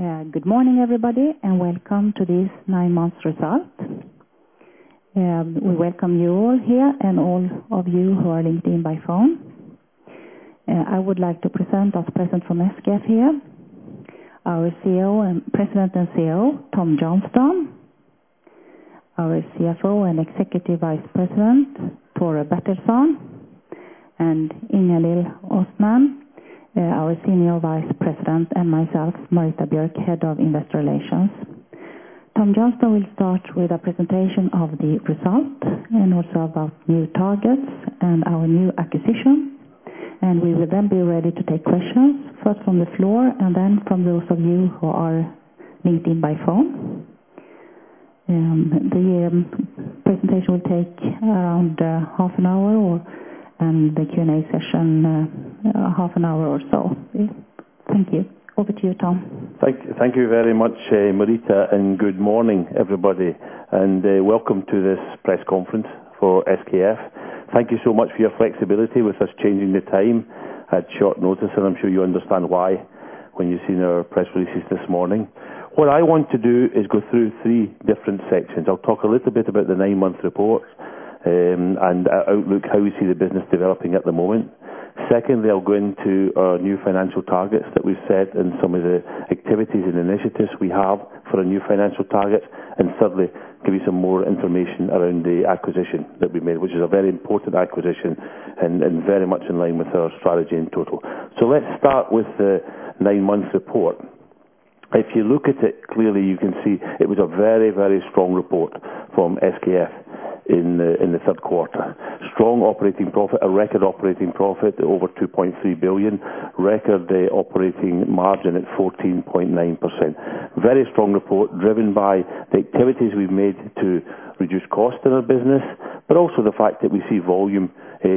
Good morning, everybody, and welcome to these nine months results. We welcome you all here and all of you who are linked in by phone. I would like to present our President from SKF here, our CEO and President and CEO, Tom Johnstone, our CFO and Executive Vice President, Tore Bertilsson, and Ingalill Östman, our Senior Vice President, and myself, Marita Björk, Head of Investor Relations. Tom Johnstone will start with a presentation of the results and also about new targets and our new acquisition, and we will then be ready to take questions, first from the floor, and then from those of you who are linked in by phone. The presentation will take around half an hour or, and the Q&A session half an hour or so. Thank you. Over to you, Tom. Thank you very much, Marita, and good morning, everybody, and welcome to this press conference for SKF. Thank you so much for your flexibility with us changing the time at short notice, and I'm sure you understand why when you've seen our press releases this morning. What I want to do is go through three different sections. I'll talk a little bit about the nine-month report and outlook, how we see the business developing at the moment. Secondly, I'll go into our new financial targets that we've set and some of the activities and initiatives we have for our new financial targets. And thirdly, give you some more information around the acquisition that we made, which is a very important acquisition and very much in line with our strategy in total. So let's start with the nine-month report. If you look at it clearly, you can see it was a very, very strong report from SKF in the, in the third quarter. Strong operating profit, a record operating profit of over 2.3 billion, record operating margin at 14.9%. Very strong report, driven by the activities we've made to reduce costs in our business, but also the fact that we see volume,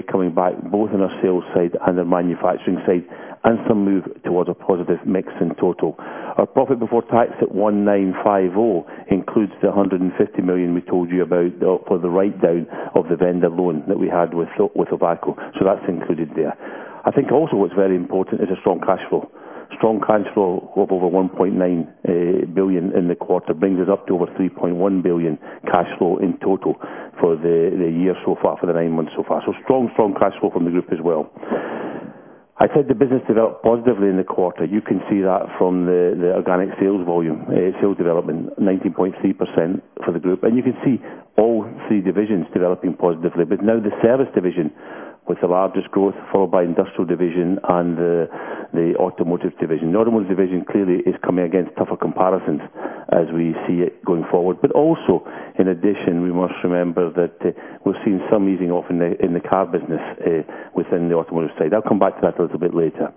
coming back both on our sales side and our manufacturing side, and some move towards a positive mix in total. Our profit before tax at 1,950 million includes the 150 million we told you about, for the write-down of the vendor loan that we had with So- with Tobacco, so that's included there. I think also what's very important is a strong cashflow. Strong cashflow of over 1.9 billion in the quarter brings us up to over 3.1 billion cashflow in total for the year so far, for the nine months so far. So strong, strong cashflow from the group as well. I said the business developed positively in the quarter. You can see that from the organic sales volume sales development, 19.3% for the group. And you can see all three divisions developing positively. But now the service division was the largest growth, followed by industrial division and the automotive division. The automotive division clearly is coming against tougher comparisons as we see it going forward. But also, in addition, we must remember that we're seeing some easing off in the car business within the automotive side. I'll come back to that a little bit later.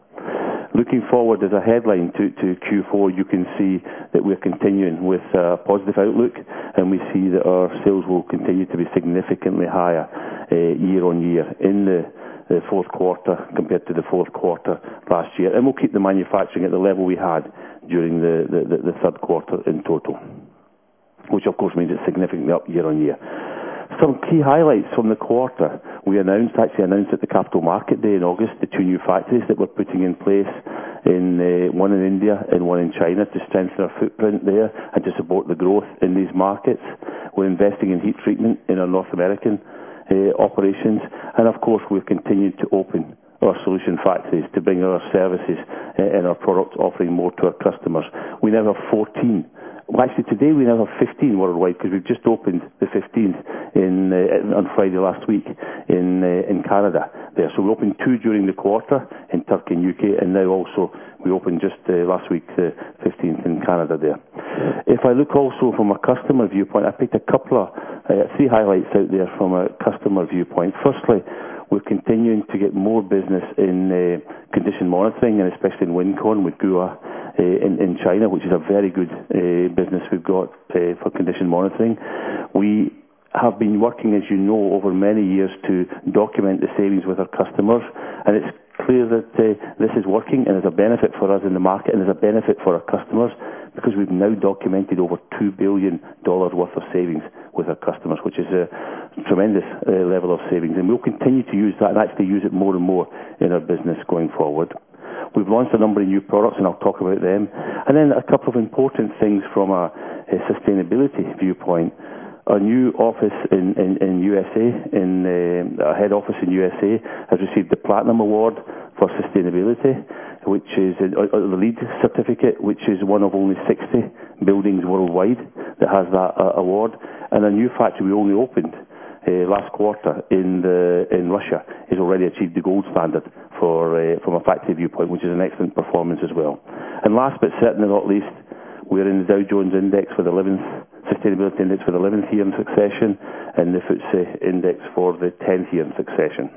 Looking forward, as a headline to Q4, you can see that we're continuing with positive outlook, and we see that our sales will continue to be significantly higher year-on-year in the fourth quarter, compared to the fourth quarter last year. We'll keep the manufacturing at the level we had during the third quarter in total, which, of course, means it's significantly up year-on-year. Some key highlights from the quarter. We announced, actually announced at the Capital Market Day in August, the two new factories that we're putting in place in one in India and one in China, to strengthen our footprint there and to support the growth in these markets. We're investing in heat treatment in our North American operations, and of course, we've continued to open our solution factories to bring our services and our products, offering more to our customers. We now have 14. Well, actually, today, we now have 15 worldwide, 'cause we've just opened the 15th on Friday last week in Canada there. We opened two during the quarter in Turkey and the U.K., and now also we opened just last week, the 15th in Canada there. If I look also from a customer viewpoint, I picked a couple of, three highlights out there from a customer viewpoint. Firstly, we're continuing to get more business in condition monitoring and especially in WinCon, with Gua, in China, which is a very good business we've got for condition monitoring. We have been working, as you know, over many years to document the savings with our customers, and it's clear that this is working and is a benefit for us in the market, and is a benefit for our customers, because we've now documented over $2 billion worth of savings with our customers, which is a tremendous level of savings. And we'll continue to use that, and actually use it more and more in our business going forward. We've launched a number of new products, and I'll talk about them. And then a couple of important things from a sustainability viewpoint. Our new office in USA, our head office in USA, has received the Platinum Award for sustainability, which is a LEED certificate, which is one of only 60 buildings worldwide that has that award. A new factory we only opened last quarter in Russia has already achieved the gold standard for from a factory viewpoint, which is an excellent performance as well. And last, but certainly not least, we're in the Dow Jones Sustainability Index for the 11th year in succession, and the FTSE index for the 10th year in succession.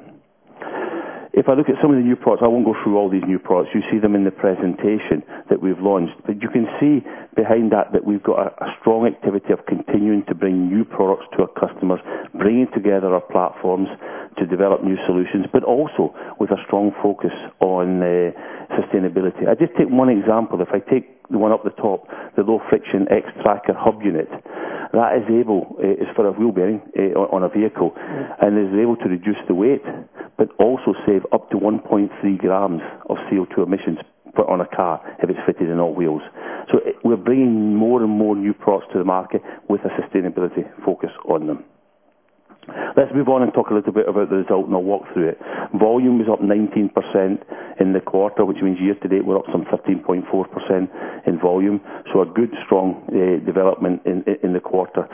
If I look at some of the new products, I won't go through all these new products. You see them in the presentation that we've launched. But you can see behind that that we've got a strong activity of continuing to bring new products to our customers, bringing together our platforms to develop new solutions, but also with a strong focus on sustainability. I'll just take one example. If I take the one up the top, the low friction X-Tracker hub unit-... That is able, is for a wheel bearing on a vehicle, and is able to reduce the weight, but also save up to 1.3 grams of CO2 emissions put on a car if it's fitted in all wheels. So we're bringing more and more new products to the market with a sustainability focus on them. Let's move on and talk a little bit about the result, and I'll walk through it. Volume is up 19% in the quarter, which means year to date, we're up some 13.4% in volume, so a good, strong development in the quarter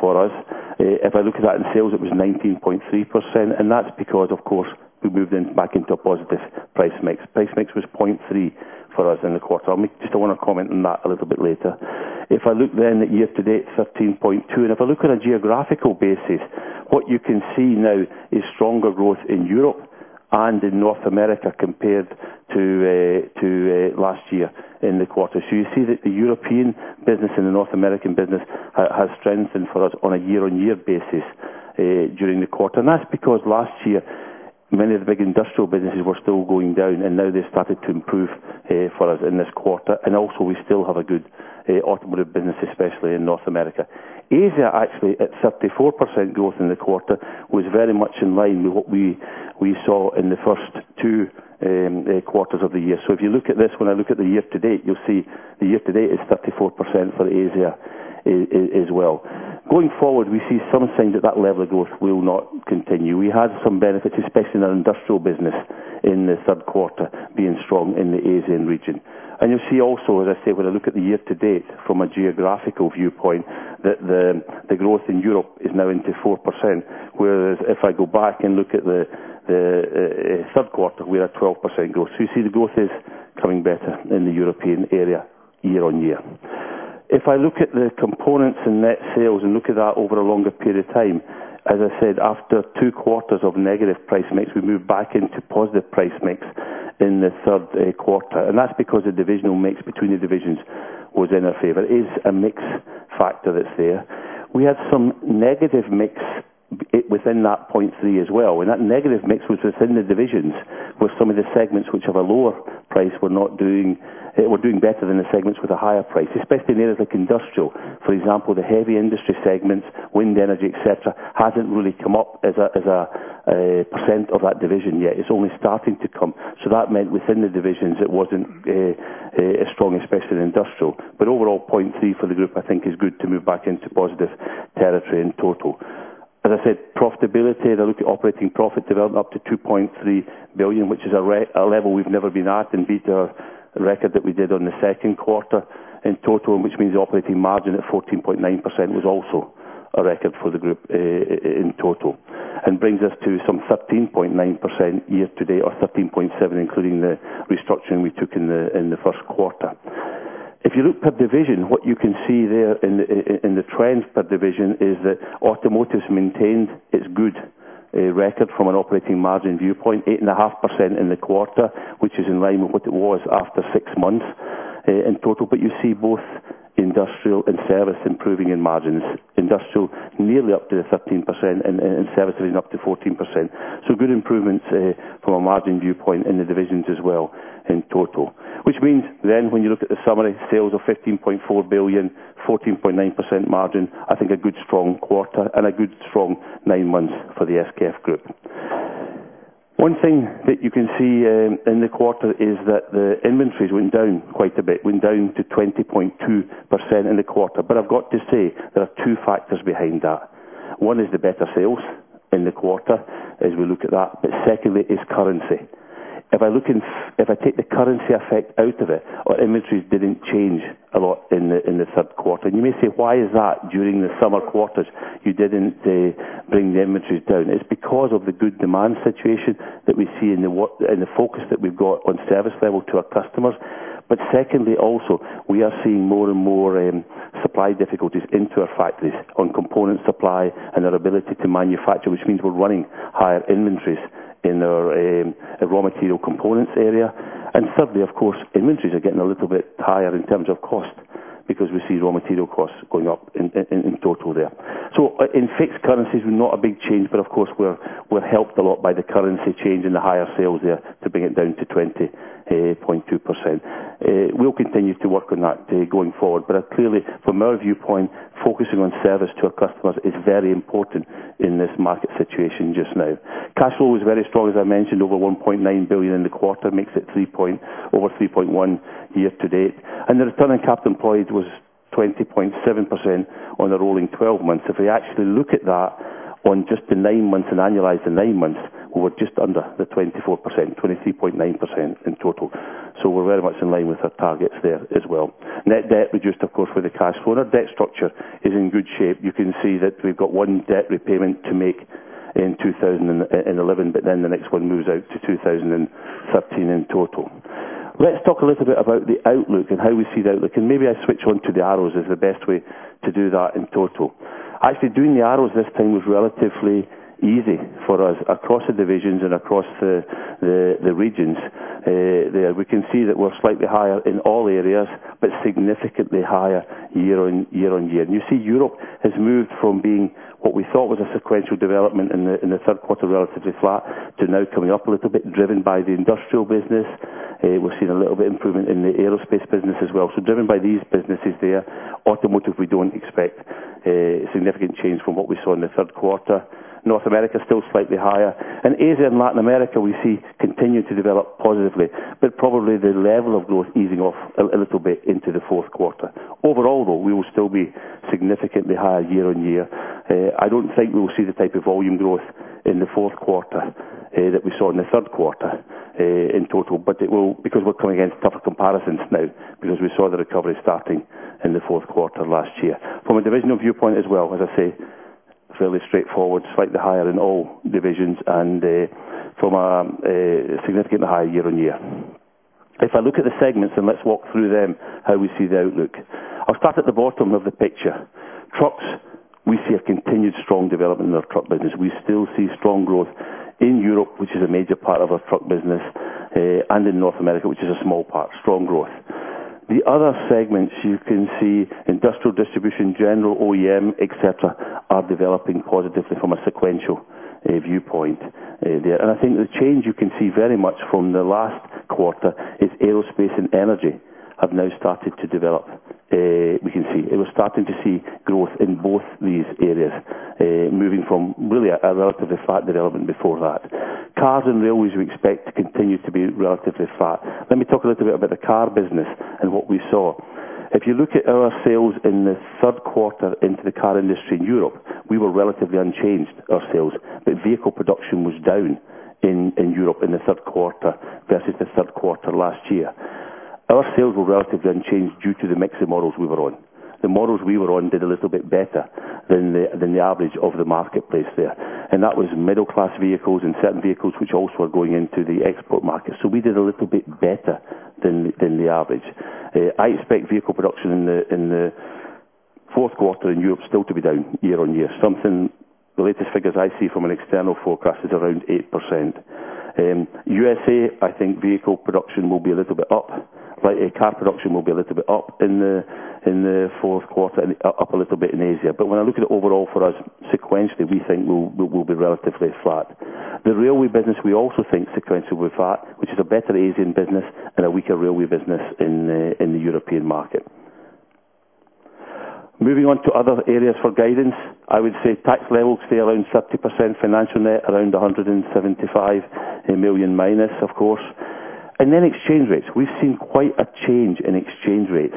for us. If I look at that in sales, it was 19.3%, and that's because, of course, we moved back into a positive price mix. Price mix was 0.3 for us in the quarter. I just wanna comment on that a little bit later. If I look then at year to date, 13.2, and if I look on a geographical basis, what you can see now is stronger growth in Europe and in North America compared to last year in the quarter. So you see that the European business and the North American business has strengthened for us on a year-on-year basis during the quarter. And that's because last year, many of the big industrial businesses were still going down, and now they've started to improve for us in this quarter. And also, we still have a good automotive business, especially in North America. Asia, actually, at 34% growth in the quarter, was very much in line with what we saw in the first two quarters of the year. So if you look at this, when I look at the year to date, you'll see the year to date is 34% for Asia, i.e., as well. Going forward, we see some signs that that level of growth will not continue. We had some benefits, especially in our industrial business, in the third quarter, being strong in the Asian region. And you'll see also, as I say, when I look at the year to date from a geographical viewpoint, that the growth in Europe is now into 4%, whereas if I go back and look at the third quarter, we're at 12% growth. So you see the growth is becoming better in the European area year-on-year. If I look at the components and net sales and look at that over a longer period of time, as I said, after two quarters of negative price mix, we moved back into positive price mix in the third quarter, and that's because the divisional mix between the divisions was in our favor. It is a mix factor that's there. We had some negative mix within that 0.3 as well, and that negative mix was within the divisions, where some of the segments which have a lower price were doing better than the segments with a higher price, especially in areas like industrial. For example, the heavy industry segments, wind energy, et cetera, hasn't really come up as a percent of that division yet. It's only starting to come. So that meant within the divisions, it wasn't as strong, especially in industrial. But overall, 0.3 for the group, I think, is good to move back into positive territory in total. As I said, profitability, if I look at operating profit development, up to 2.3 billion, which is a level we've never been at, and beat our record that we did on the second quarter in total, and which means the operating margin at 14.9% was also a record for the group, in total, and brings us to some 13.9% year to date, or 13.7, including the restructuring we took in the, in the first quarter. If you look per division, what you can see there in the trends per division, is that automotive's maintained its good record from an operating margin viewpoint, 8.5% in the quarter, which is in line with what it was after six months in total. But you see both industrial and service improving in margins. Industrial, nearly up to the 13% and service is up to 14%. So good improvements from a margin viewpoint in the divisions as well, in total. Which means, then, when you look at the summary, sales of 15.4 billion, 14.9% margin, I think a good, strong quarter and a good, strong nine months for the SKF Group. One thing that you can see in the quarter is that the inventories went down quite a bit, went down to 20.2% in the quarter. But I've got to say, there are two factors behind that. One is the better sales in the quarter as we look at that, but secondly is currency. If I take the currency effect out of it, our inventories didn't change a lot in the third quarter. And you may say, "Why is that during the summer quarters, you didn't bring the inventories down?" It's because of the good demand situation that we see in the focus that we've got on service level to our customers. But secondly, also, we are seeing more and more supply difficulties into our factories on component supply and our ability to manufacture, which means we're running higher inventories in our, raw material components area. And thirdly, of course, inventories are getting a little bit higher in terms of cost because we see raw material costs going up in total there. So, in fixed currencies, we're not a big change, but of course, we're, we're helped a lot by the currency change and the higher sales there to bring it down to 20.2%. We'll continue to work on that, going forward, but clearly, from our viewpoint, focusing on service to our customers is very important in this market situation just now. Cash flow was very strong, as I mentioned, over 1.9 billion in the quarter, makes it over 3.1 billion year to date, and the return on capital employed was 20.7% on a rolling twelve months. If we actually look at that on just the nine months and annualize the nine months, we're just under the 24%, 23.9% in total. So we're very much in line with our targets there as well. Net debt reduced, of course, with the cash flow, and our debt structure is in good shape. You can see that we've got one debt repayment to make in 2011, but then the next one moves out to 2013 in total. Let's talk a little bit about the outlook and how we see the outlook, and maybe I switch onto the arrows is the best way to do that in total. Actually, doing the arrows this time was relatively easy for us across the divisions and across the regions. There, we can see that we're slightly higher in all areas, but significantly higher year-on-year. And you see Europe has moved from being what we thought was a sequential development in the third quarter, relatively flat, to now coming up a little bit, driven by the industrial business. We've seen a little bit improvement in the aerospace business as well. So driven by these businesses there. Automotive, we don't expect significant change from what we saw in the third quarter. North America, still slightly higher, and Asia and Latin America we see continue to develop positively, but probably the level of growth easing off a little bit into the fourth quarter. Overall, though, we will still be significantly higher year-on-year. I don't think we will see the type of volume growth in the fourth quarter that we saw in the third quarter in total, but it will, because we're coming against tougher comparisons now, because we saw the recovery starting in the fourth quarter last year. From a divisional viewpoint as well, as I say, fairly straightforward, slightly higher in all divisions and significantly higher year-on-year. If I look at the segments, and let's walk through them, how we see the outlook. I'll start at the bottom of the picture. Trucks, we see a continued strong development in our truck business. We still see strong growth in Europe, which is a major part of our truck business, and in North America, which is a small part, strong growth. The other segments you can see, industrial distribution, general OEM, et cetera, are developing positively from a sequential viewpoint, there. And I think the change you can see very much from the last quarter is aerospace and energy have now started to develop, we can see. We are starting to see growth in both these areas, moving from really a relatively flat development before that. Cars and railways, we expect to continue to be relatively flat. Let me talk a little bit about the car business and what we saw. If you look at our sales in the third quarter into the car industry in Europe, we were relatively unchanged, our sales, but vehicle production was down in, in Europe in the third quarter versus the third quarter last year. Our sales were relatively unchanged due to the mix of models we were on. The models we were on did a little bit better than the, than the average of the marketplace there, and that was middle-class vehicles and certain vehicles which also are going into the export market. So we did a little bit better than the, than the average. I expect vehicle production in the, in the fourth quarter in Europe still to be down year-on-year. The latest figures I see from an external forecast is around 8%. USA, I think vehicle production will be a little bit up, but car production will be a little bit up in the fourth quarter and up a little bit in Asia. But when I look at it overall for us sequentially, we think we'll be relatively flat. The railway business, we also think sequentially will be flat, which is a better Asian business and a weaker railway business in the European market. Moving on to other areas for guidance, I would say tax level stay around 30%, financial net around 175 million minus, of course. Then exchange rates. We've seen quite a change in exchange rates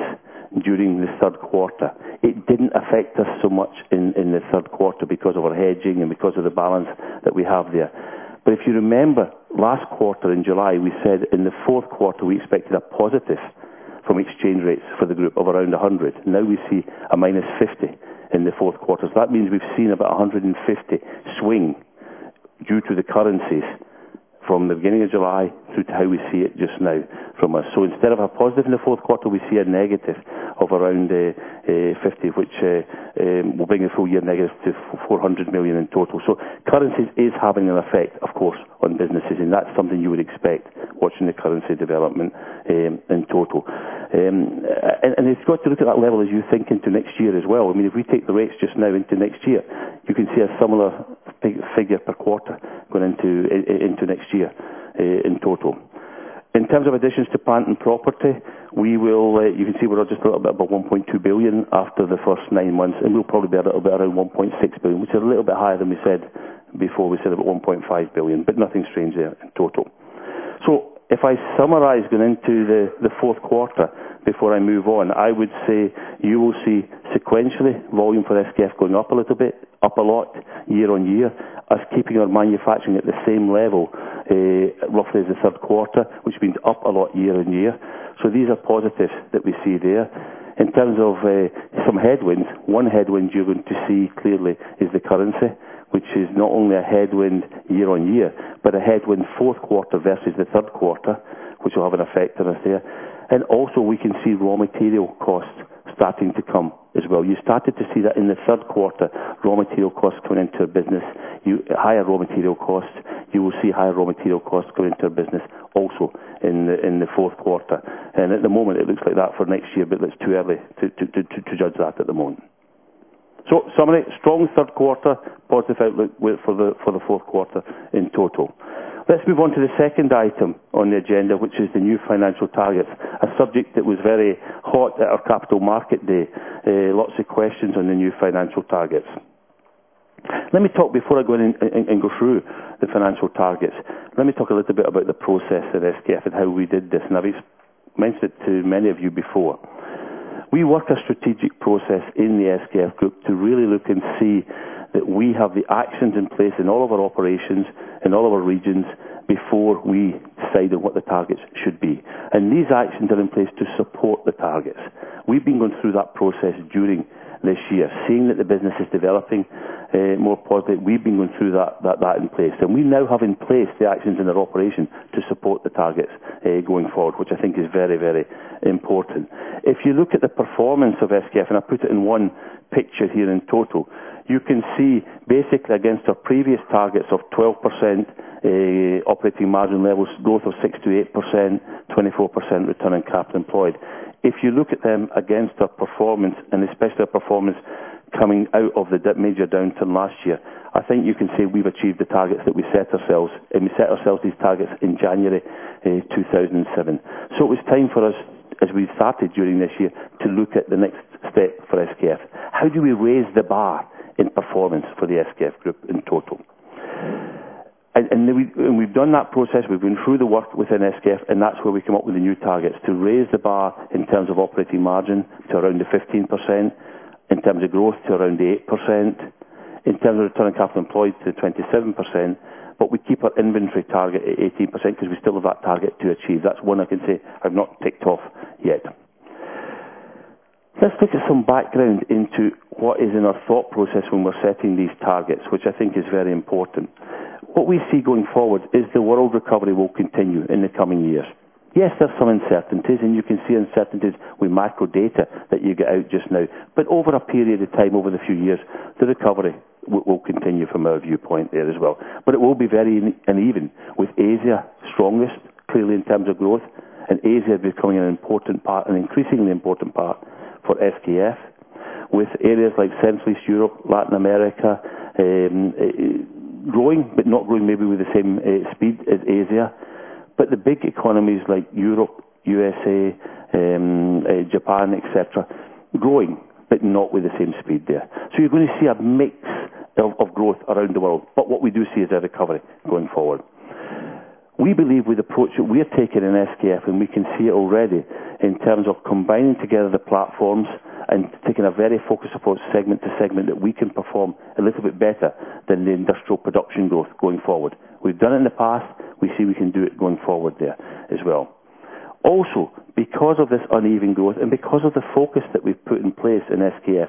during the third quarter. It didn't affect us so much in the third quarter because of our hedging and because of the balance that we have there. But if you remember, last quarter in July, we said in the fourth quarter, we expected a positive from exchange rates for the group of around 100 million. Now we see a -50 million in the fourth quarter. So that means we've seen about a 150 million swing due to the currencies from the beginning of July through to how we see it just now from us. So instead of a positive in the fourth quarter, we see a negative of around 50 million, which will bring the full year negative to 400 million in total. So currencies is having an effect, of course, on businesses, and that's something you would expect watching the currency development in total. And you've got to look at that level as you think into next year as well. I mean, if we take the rates just now into next year, you can see a similar figure per quarter going into next year, in total. In terms of additions to plant and property, you can see we're just about 1.2 billion after the first nine months, and we'll probably be a little bit around 1.6 billion, which is a little bit higher than we said before. We said about 1.5 billion, but nothing strange there in total. So if I summarize going into the fourth quarter before I move on, I would say you will see sequentially, volume for SKF going up a little bit, up a lot year-on-year. Us keeping our manufacturing at the same level, roughly as the third quarter, which means up a lot year-on-year. So these are positives that we see there. In terms of some headwinds, one headwind you're going to see clearly is the currency, which is not only a headwind year-on-year, but a headwind fourth quarter versus the third quarter, which will have an effect on us there. And also, we can see raw material costs starting to come as well. You started to see that in the third quarter, raw material costs coming into our business. Higher raw material costs, you will see higher raw material costs going into our business also in the fourth quarter. And at the moment, it looks like that for next year, but it's too early to judge that at the moment. So summary, strong third quarter, positive outlook with... For the fourth quarter in total. Let's move on to the second item on the agenda, which is the new financial targets, a subject that was very hot at our capital market day. Lots of questions on the new financial targets. Let me talk before I go in and go through the financial targets. Let me talk a little bit about the process at SKF and how we did this, and I've mentioned it to many of you before. We work a strategic process in the SKF Group to really look and see that we have the actions in place in all of our operations, in all of our regions, before we decide on what the targets should be, and these actions are in place to support the targets. We've been going through that process during this year, seeing that the business is developing more positive. We've been going through that in place, and we now have in place the actions in our operation to support the targets going forward, which I think is very, very important. If you look at the performance of SKF, and I put it in one picture here in total, you can see basically against our previous targets of 12% operating margin levels, growth of 6%-8%, 24% return on capital employed. If you look at them against our performance, and especially our performance coming out of the dip major downturn last year, I think you can say we've achieved the targets that we set ourselves, and we set ourselves these targets in January 2007. So it was time for us, as we started during this year, to look at the next step for SKF. How do we raise the bar in performance for the SKF Group in total? And we've done that process. We've been through the work within SKF, and that's where we come up with the new targets, to raise the bar in terms of operating margin to around the 15%, in terms of growth to around 8%, in terms of return on capital employed to 27%. But we keep our inventory target at 18% because we still have that target to achieve. That's one I can say I've not ticked off yet. Let's look at some background into what is in our thought process when we're setting these targets, which I think is very important. What we see going forward is the world recovery will continue in the coming years. Yes, there's some uncertainties, and you can see uncertainties with macro data that you get out just now. But over a period of time, over the few years, the recovery will continue from our viewpoint there as well. But it will be very uneven, with Asia strongest, clearly in terms of growth, and Asia becoming an important part, an increasingly important part for SKF. With areas like Central East Europe, Latin America, growing, but not growing maybe with the same speed as Asia. But the big economies like Europe, USA, Japan, et cetera, growing, but not with the same speed there. So you're going to see a mix of growth around the world, but what we do see is a recovery going forward. We believe with the approach that we are taking in SKF, and we can see it already, in terms of combining together the platforms and taking a very focused approach, segment to segment, that we can perform a little bit better than the industrial production growth going forward. We've done it in the past. We see we can do it going forward there as well. Also, because of this uneven growth and because of the focus that we've put in place in SKF,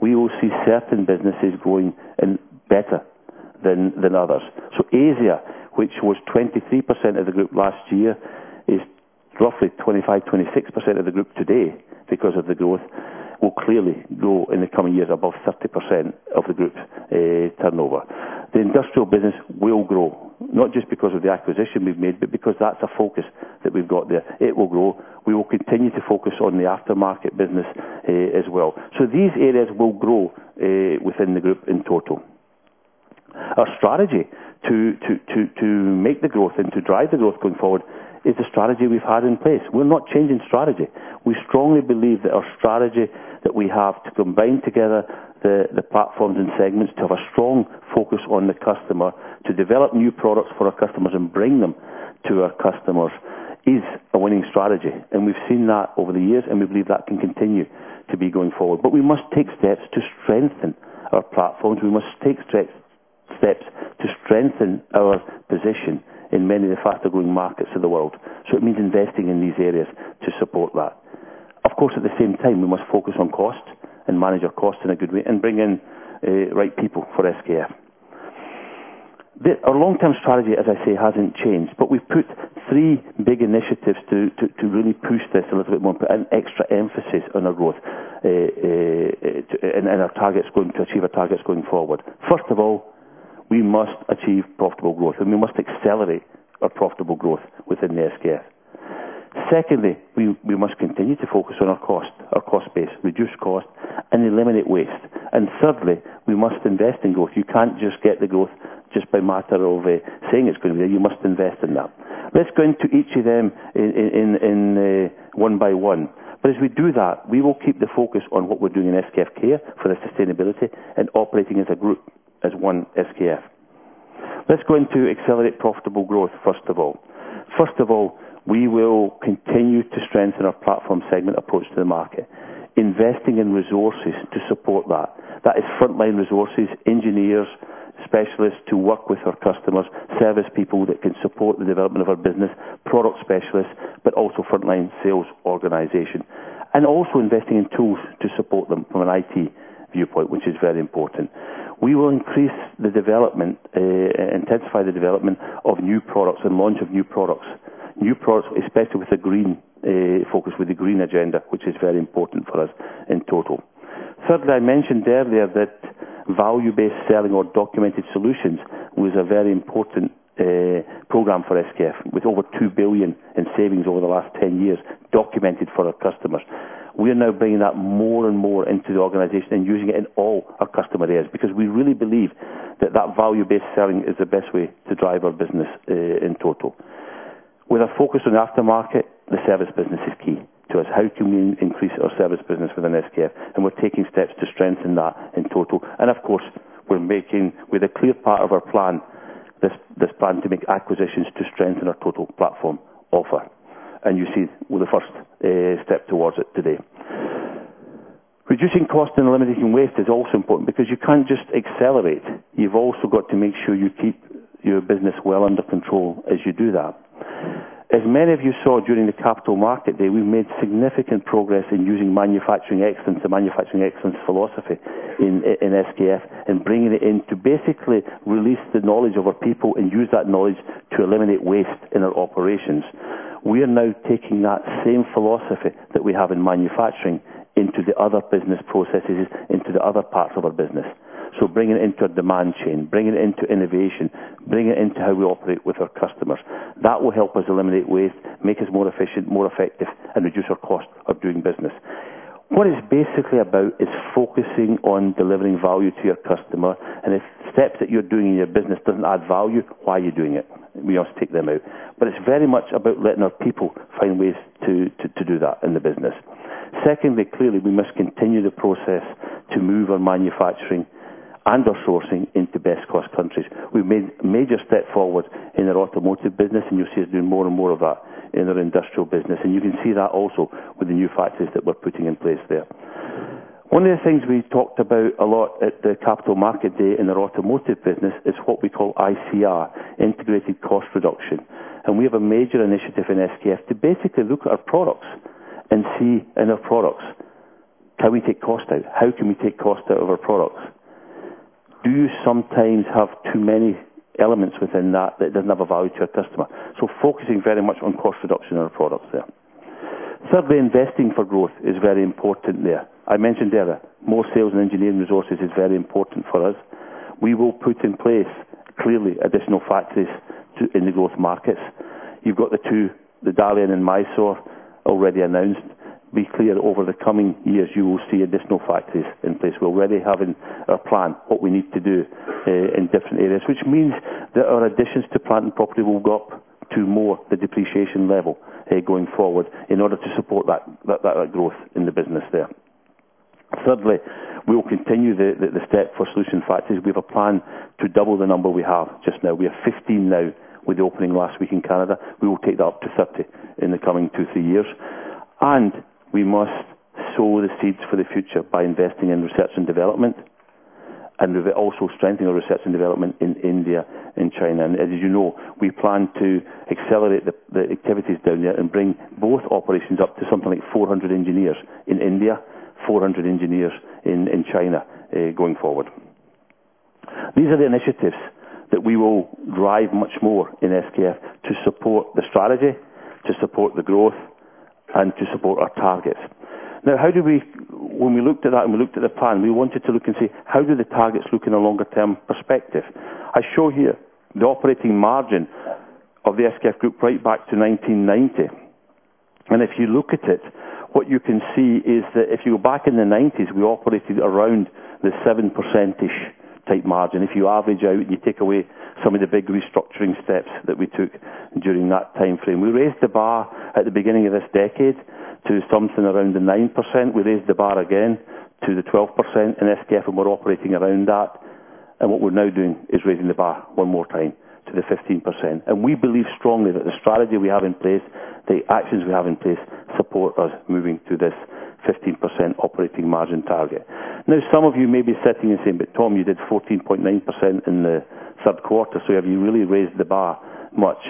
we will see certain businesses growing better than others. So Asia, which was 23% of the group last year, is roughly 25-26% of the group today. Because of the growth, will clearly grow in the coming years above 30% of the group's turnover. The industrial business will grow, not just because of the acquisition we've made, but because that's a focus that we've got there. It will grow. We will continue to focus on the aftermarket business, as well. So these areas will grow, within the group in total. Our strategy to make the growth and to drive the growth going forward is the strategy we've had in place. We're not changing strategy. We strongly believe that our strategy, that we have to combine together the platforms and segments, to have a strong focus on the customer, to develop new products for our customers and bring them to our customers, is a winning strategy. And we've seen that over the years, and we believe that can continue to be going forward. But we must take steps to strengthen our platforms. We must take strengths... Steps to strengthen our position in many of the faster-growing markets of the world. So it means investing in these areas to support that. Of course, at the same time, we must focus on costs and manage our costs in a good way and bring in right people for SKF. Our long-term strategy, as I say, hasn't changed, but we've put three big initiatives to really push this a little bit more, put an extra emphasis on our growth, and to achieve our targets going forward. First of all, we must achieve profitable growth, and we must accelerate our profitable growth within SKF. Secondly, we must continue to focus on our cost, our cost base, reduce cost, and eliminate waste. And thirdly, we must invest in growth. You can't just get the growth just by matter of saying it's going to be there. You must invest in that. Let's go into each of them in one by one. But as we do that, we will keep the focus on what we're doing in SKF Care for the sustainability and operating as a group, as one SKF. Let's go into accelerate profitable growth, first of all. First of all, we will continue to strengthen our platform segment approach to the market, investing in resources to support that. That is frontline resources, engineers, specialists to work with our customers, service people that can support the development of our business, product specialists, but also frontline sales organization. And also investing in tools to support them from an IT viewpoint, which is very important. We will increase the development, intensify the development of new products and launch of new products. New products, especially with the green, focus, with the green agenda, which is very important for us in total. Thirdly, I mentioned earlier that value-based selling or documented solutions was a very important, program for SKF, with over 2 billion in savings over the last 10 years documented for our customers. We are now bringing that more and more into the organization and using it in all our customer areas because we really believe that that value-based selling is the best way to drive our business, in total. With a focus on aftermarket, the service business is key to us. How can we increase our service business within SKF? We're taking steps to strengthen that in total. Of course, we're making with a clear part of our plan, this, this plan to make acquisitions to strengthen our total platform offer. You see with the first step towards it today. Reducing cost and eliminating waste is also important because you can't just accelerate. You've also got to make sure you keep your business well under control as you do that. As many of you saw during the Capital Market Day, we've made significant progress in using manufacturing excellence, a manufacturing excellence philosophy in SKF, and bringing it in to basically release the knowledge of our people and use that knowledge to eliminate waste in our operations. We are now taking that same philosophy that we have in manufacturing into the other business processes, into the other parts of our business.... So bring it into our demand chain, bring it into innovation, bring it into how we operate with our customers. That will help us eliminate waste, make us more efficient, more effective, and reduce our cost of doing business. What it's basically about is focusing on delivering value to your customer, and if steps that you're doing in your business doesn't add value, why are you doing it? We must take them out. But it's very much about letting our people find ways to do that in the business. Secondly, clearly, we must continue the process to move our manufacturing and our sourcing into best-cost countries. We've made major step forward in our automotive business, and you'll see us doing more and more of that in our industrial business. And you can see that also with the new factories that we're putting in place there. One of the things we talked about a lot at the Capital Market Day in our automotive business is what we call ICR, integrated cost reduction. We have a major initiative in SKF to basically look at our products and see in our products, can we take cost out? How can we take cost out of our products? Do you sometimes have too many elements within that, that doesn't have a value to our customer? Focusing very much on cost reduction on our products there. Thirdly, investing for growth is very important there. I mentioned earlier, more sales and engineering resources is very important for us. We will put in place, clearly, additional factories to in the growth markets. You've got the 2, the Dalian and Mysore, already announced. Be clear, over the coming years, you will see additional factories in place. We're already having a plan what we need to do in different areas, which means that our additions to plant and property will go up to more the depreciation level going forward, in order to support that growth in the business there. Thirdly, we will continue the step for solution factories. We have a plan to double the number we have just now. We have 15 now with the opening last week in Canada. We will take that up to 30 in the coming 2-3 years. And we must sow the seeds for the future by investing in research and development, and we're also strengthening our research and development in India and China. As you know, we plan to accelerate the activities down there and bring both operations up to something like 400 engineers in India, 400 engineers in China, going forward. These are the initiatives that we will drive much more in SKF to support the strategy, to support the growth, and to support our targets. Now, how do we... When we looked at that and we looked at the plan, we wanted to look and see, how do the targets look in a longer term perspective? I show here the operating margin of the SKF Group right back to 1990. And if you look at it, what you can see is that if you go back in the 1990s, we operated around the 7% type margin. If you average out, you take away some of the big restructuring steps that we took during that time frame. We raised the bar at the beginning of this decade to something around the 9%. We raised the bar again to the 12% in SKF, and we're operating around that. What we're now doing is raising the bar one more time to the 15%. We believe strongly that the strategy we have in place, the actions we have in place, support us moving to this 15% operating margin target. Now, some of you may be sitting and saying, "But Tom, you did 14.9% in the third quarter, so have you really raised the bar much?"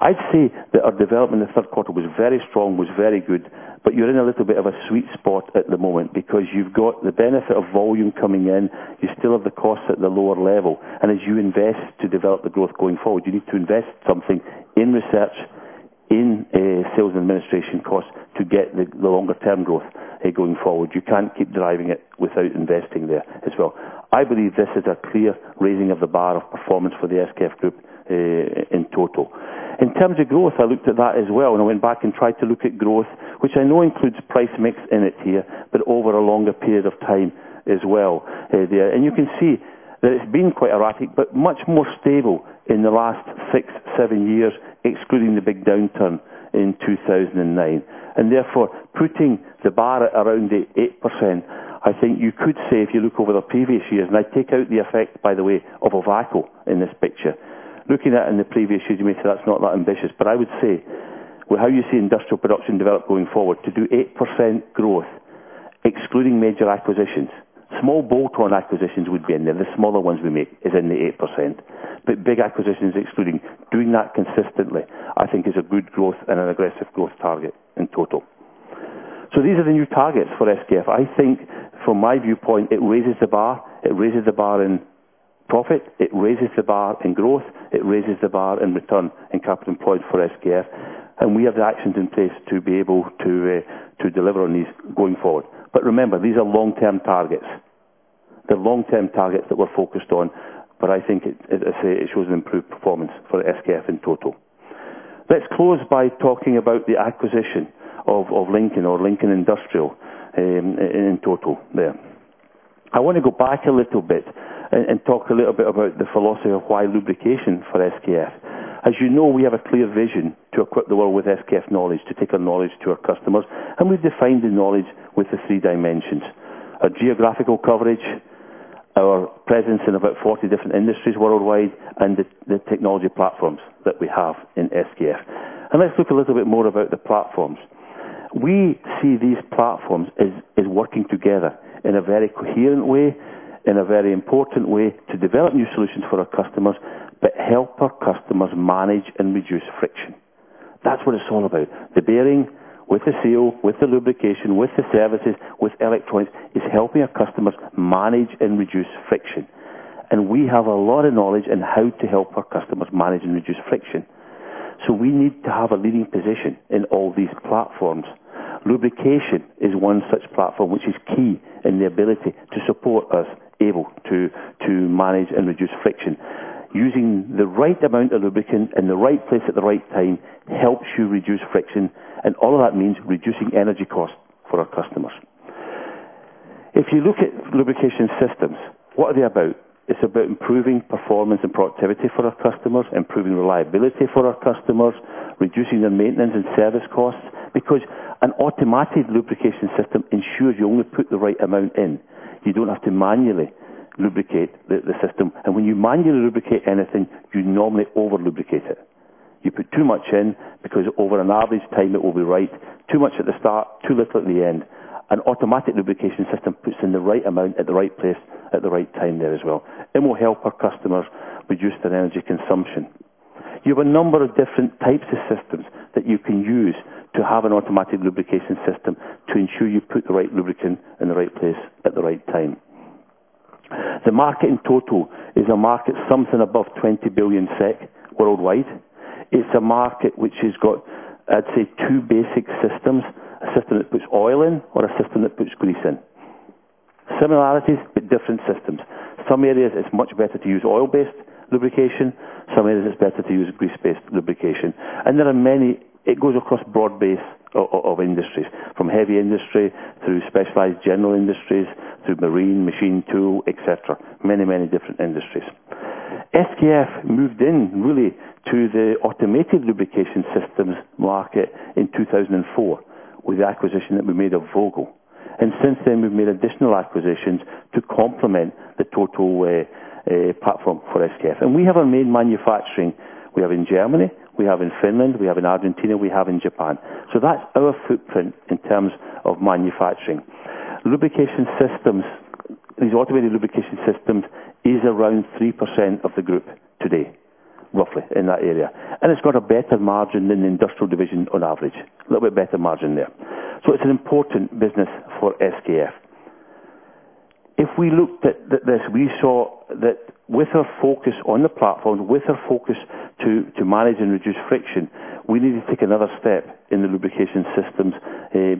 I'd say that our development in the third quarter was very strong, was very good, but you're in a little bit of a sweet spot at the moment because you've got the benefit of volume coming in. You still have the costs at the lower level, and as you invest to develop the growth going forward, you need to invest something in research, in, sales and administration costs to get the, the longer term growth, going forward. You can't keep driving it without investing there as well. I believe this is a clear raising of the bar of performance for the SKF Group, in total. In terms of growth, I looked at that as well, and I went back and tried to look at growth, which I know includes price mix in it here, but over a longer period of time as well, there. And you can see that it's been quite erratic, but much more stable in the last 6, 7 years, excluding the big downturn in 2009. And therefore, putting the bar at around the 8%, I think you could say, if you look over the previous years, and I take out the effect, by the way, of a vaco in this picture. Looking at in the previous years, you may say that's not that ambitious, but I would say, with how you see industrial production develop going forward, to do 8% growth, excluding major acquisitions, small bolt-on acquisitions would be in there. The smaller ones we make is in the 8%. But big acquisitions excluding, doing that consistently, I think is a good growth and an aggressive growth target in total. So these are the new targets for SKF. I think from my viewpoint, it raises the bar. It raises the bar in profit, it raises the bar in growth, it raises the bar in return and capital employed for SKF, and we have the actions in place to be able to to deliver on these going forward. But remember, these are long-term targets. They're long-term targets that we're focused on, but I think it, as I say, it shows an improved performance for SKF in total. Let's close by talking about the acquisition of Lincoln or Lincoln Industrial in total there. I wanna go back a little bit and talk a little bit about the philosophy of why lubrication for SKF. As you know, we have a clear vision to equip the world with SKF knowledge, to take our knowledge to our customers, and we've defined the knowledge with the three dimensions: our geographical coverage, our presence in about 40 different industries worldwide, and the technology platforms that we have in SKF. Let's look a little bit more about the platforms. We see these platforms as working together in a very coherent way, in a very important way, to develop new solutions for our customers, but help our customers manage and reduce friction. That's what it's all about. The bearing with the seal, with the lubrication, with the services, with electronics, is helping our customers manage and reduce friction. We have a lot of knowledge in how to help our customers manage and reduce friction.... So we need to have a leading position in all these platforms. Lubrication is one such platform, which is key in the ability to support us, able to manage and reduce friction. Using the right amount of lubricant in the right place at the right time helps you reduce friction, and all of that means reducing energy costs for our customers. If you look at lubrication systems, what are they about? It's about improving performance and productivity for our customers, improving reliability for our customers, reducing their maintenance and service costs. Because an automatic lubrication system ensures you only put the right amount in. You don't have to manually lubricate the system, and when you manually lubricate anything, you normally over-lubricate it. You put too much in because over an average time, it will be right. Too much at the start, too little at the end. An automatic lubrication system puts in the right amount, at the right place, at the right time there as well, and will help our customers reduce their energy consumption. You have a number of different types of systems that you can use to have an automatic lubrication system to ensure you put the right lubricant in the right place at the right time. The market, in total, is a market something above 20 billion SEK worldwide. It's a market which has got, I'd say, two basic systems, a system that puts oil in or a system that puts grease in. Similarities, but different systems. Some areas it's much better to use oil-based lubrication, some areas it's better to use grease-based lubrication. And there are many... It goes across a broad base of industries, from heavy industry through specialized general industries, through marine, machine tool, et cetera. Many, many different industries. SKF moved in really to the automated lubrication systems market in 2004 with the acquisition that we made of Vogel. And since then, we've made additional acquisitions to complement the total platform for SKF. And we have our main manufacturing; we have in Germany, we have in Finland, we have in Argentina, we have in Japan. So that's our footprint in terms of manufacturing. Lubrication systems, these automated lubrication systems, is around 3% of the group today, roughly in that area. And it's got a better margin than the industrial division on average, a little bit better margin there. So it's an important business for SKF. If we looked at this, we saw that with our focus on the platform, with our focus to manage and reduce friction, we need to take another step in the lubrication systems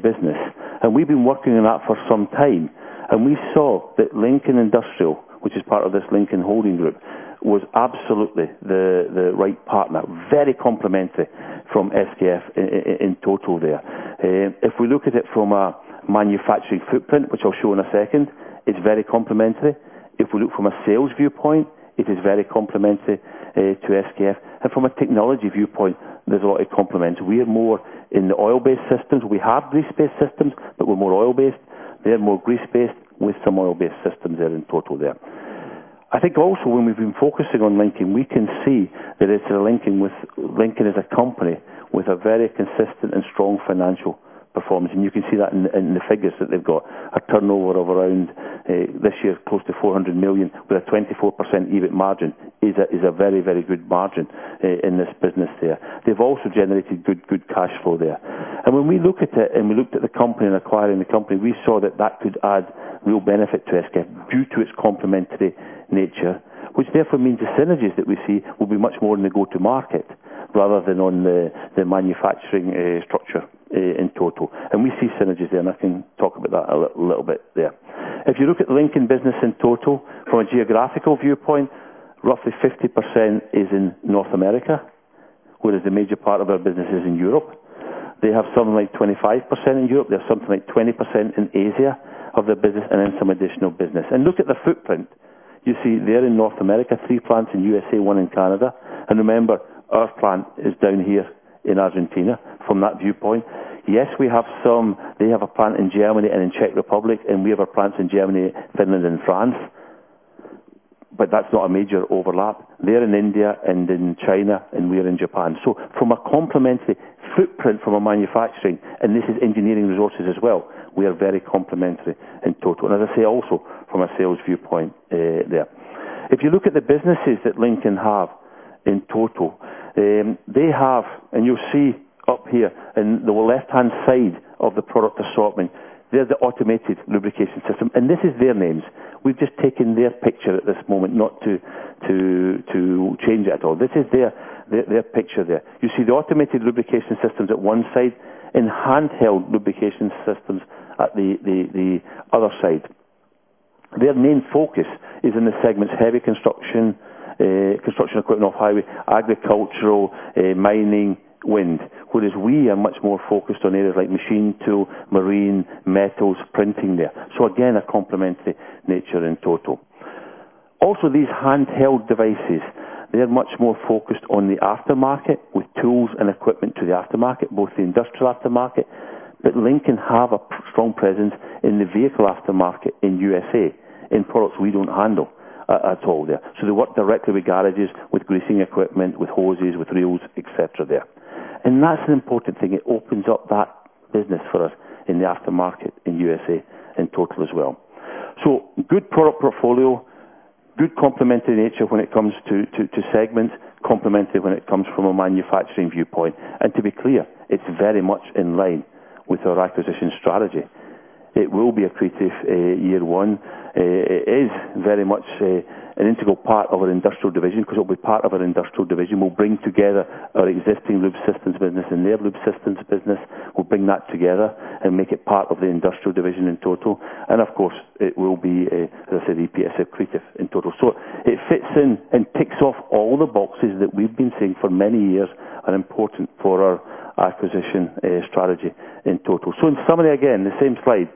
business. And we've been working on that for some time, and we saw that Lincoln Industrial, which is part of this Lincoln Holding Group, was absolutely the right partner, very complementary from SKF in total there. If we look at it from a manufacturing footprint, which I'll show in a second, it's very complementary. If we look from a sales viewpoint, it is very complementary to SKF, and from a technology viewpoint, there's a lot of complements. We are more in the oil-based systems. We have grease-based systems, but we're more oil-based. They're more grease-based with some oil-based systems there in total there. I think also when we've been focusing on Lincoln, we can see that it's a Lincoln with Lincoln is a company with a very consistent and strong financial performance, and you can see that in the figures that they've got. A turnover of around this year, close to $400 million, with a 24% EBIT margin, is a very, very good margin in this business there. They've also generated good, good cash flow there. And when we look at it, and we looked at the company and acquiring the company, we saw that that could add real benefit to SKF due to its complementary nature, which therefore means the synergies that we see will be much more in the go-to-market rather than on the manufacturing structure in total. And we see synergies there, and I can talk about that a little bit there. If you look at Lincoln business in total, from a geographical viewpoint, roughly 50% is in North America, whereas the major part of our business is in Europe. They have something like 25% in Europe. They have something like 20% in Asia of their business and then some additional business. And look at the footprint. You see there in North America, 3 plants in USA, 1 in Canada. And remember, our plant is down here in Argentina from that viewpoint. Yes, we have some... They have a plant in Germany and in Czech Republic, and we have our plants in Germany, Finland, and France. But that's not a major overlap. They're in India and in China, and we're in Japan. So from a complementary footprint, from a manufacturing, and this is engineering resources as well, we are very complementary in total, and as I say, also from a sales viewpoint, there. If you look at the businesses that Lincoln have in total, they have, and you'll see up here in the left-hand side of the product assortment, they're the automated lubrication system, and this is their names. We've just taken their picture at this moment, not to change at all. This is their picture there. You see the automated lubrication systems at one side and handheld lubrication systems at the other side. Their main focus is in the segments, heavy construction, construction equipment off-highway, agricultural, mining, wind. Whereas we are much more focused on areas like machine tool, marine, metals, printing there. So again, a complementary nature in total. Also, these handheld devices, they're much more focused on the aftermarket, with tools and equipment to the aftermarket, both the industrial aftermarket, but Lincoln have a strong presence in the vehicle aftermarket in USA, in products we don't handle at all there. So they work directly with garages, with greasing equipment, with hoses, with reels, et cetera there. And that's an important thing. It opens up that business for us in the aftermarket in USA in total as well. So good product portfolio, good complementary nature when it comes to segments, complementary when it comes from a manufacturing viewpoint. And to be clear, it's very much in line with our acquisition strategy. It will be accretive, year one. It is very much an integral part of our industrial division, because it'll be part of our industrial division. We'll bring together our existing lube systems business and their lube systems business. We'll bring that together and make it part of the industrial division in total. And of course, it will be a, as I said, EPS accretive in total. So it fits in and ticks off all the boxes that we've been seeing for many years are important for our acquisition, strategy in total. So in summary, again, the same slide,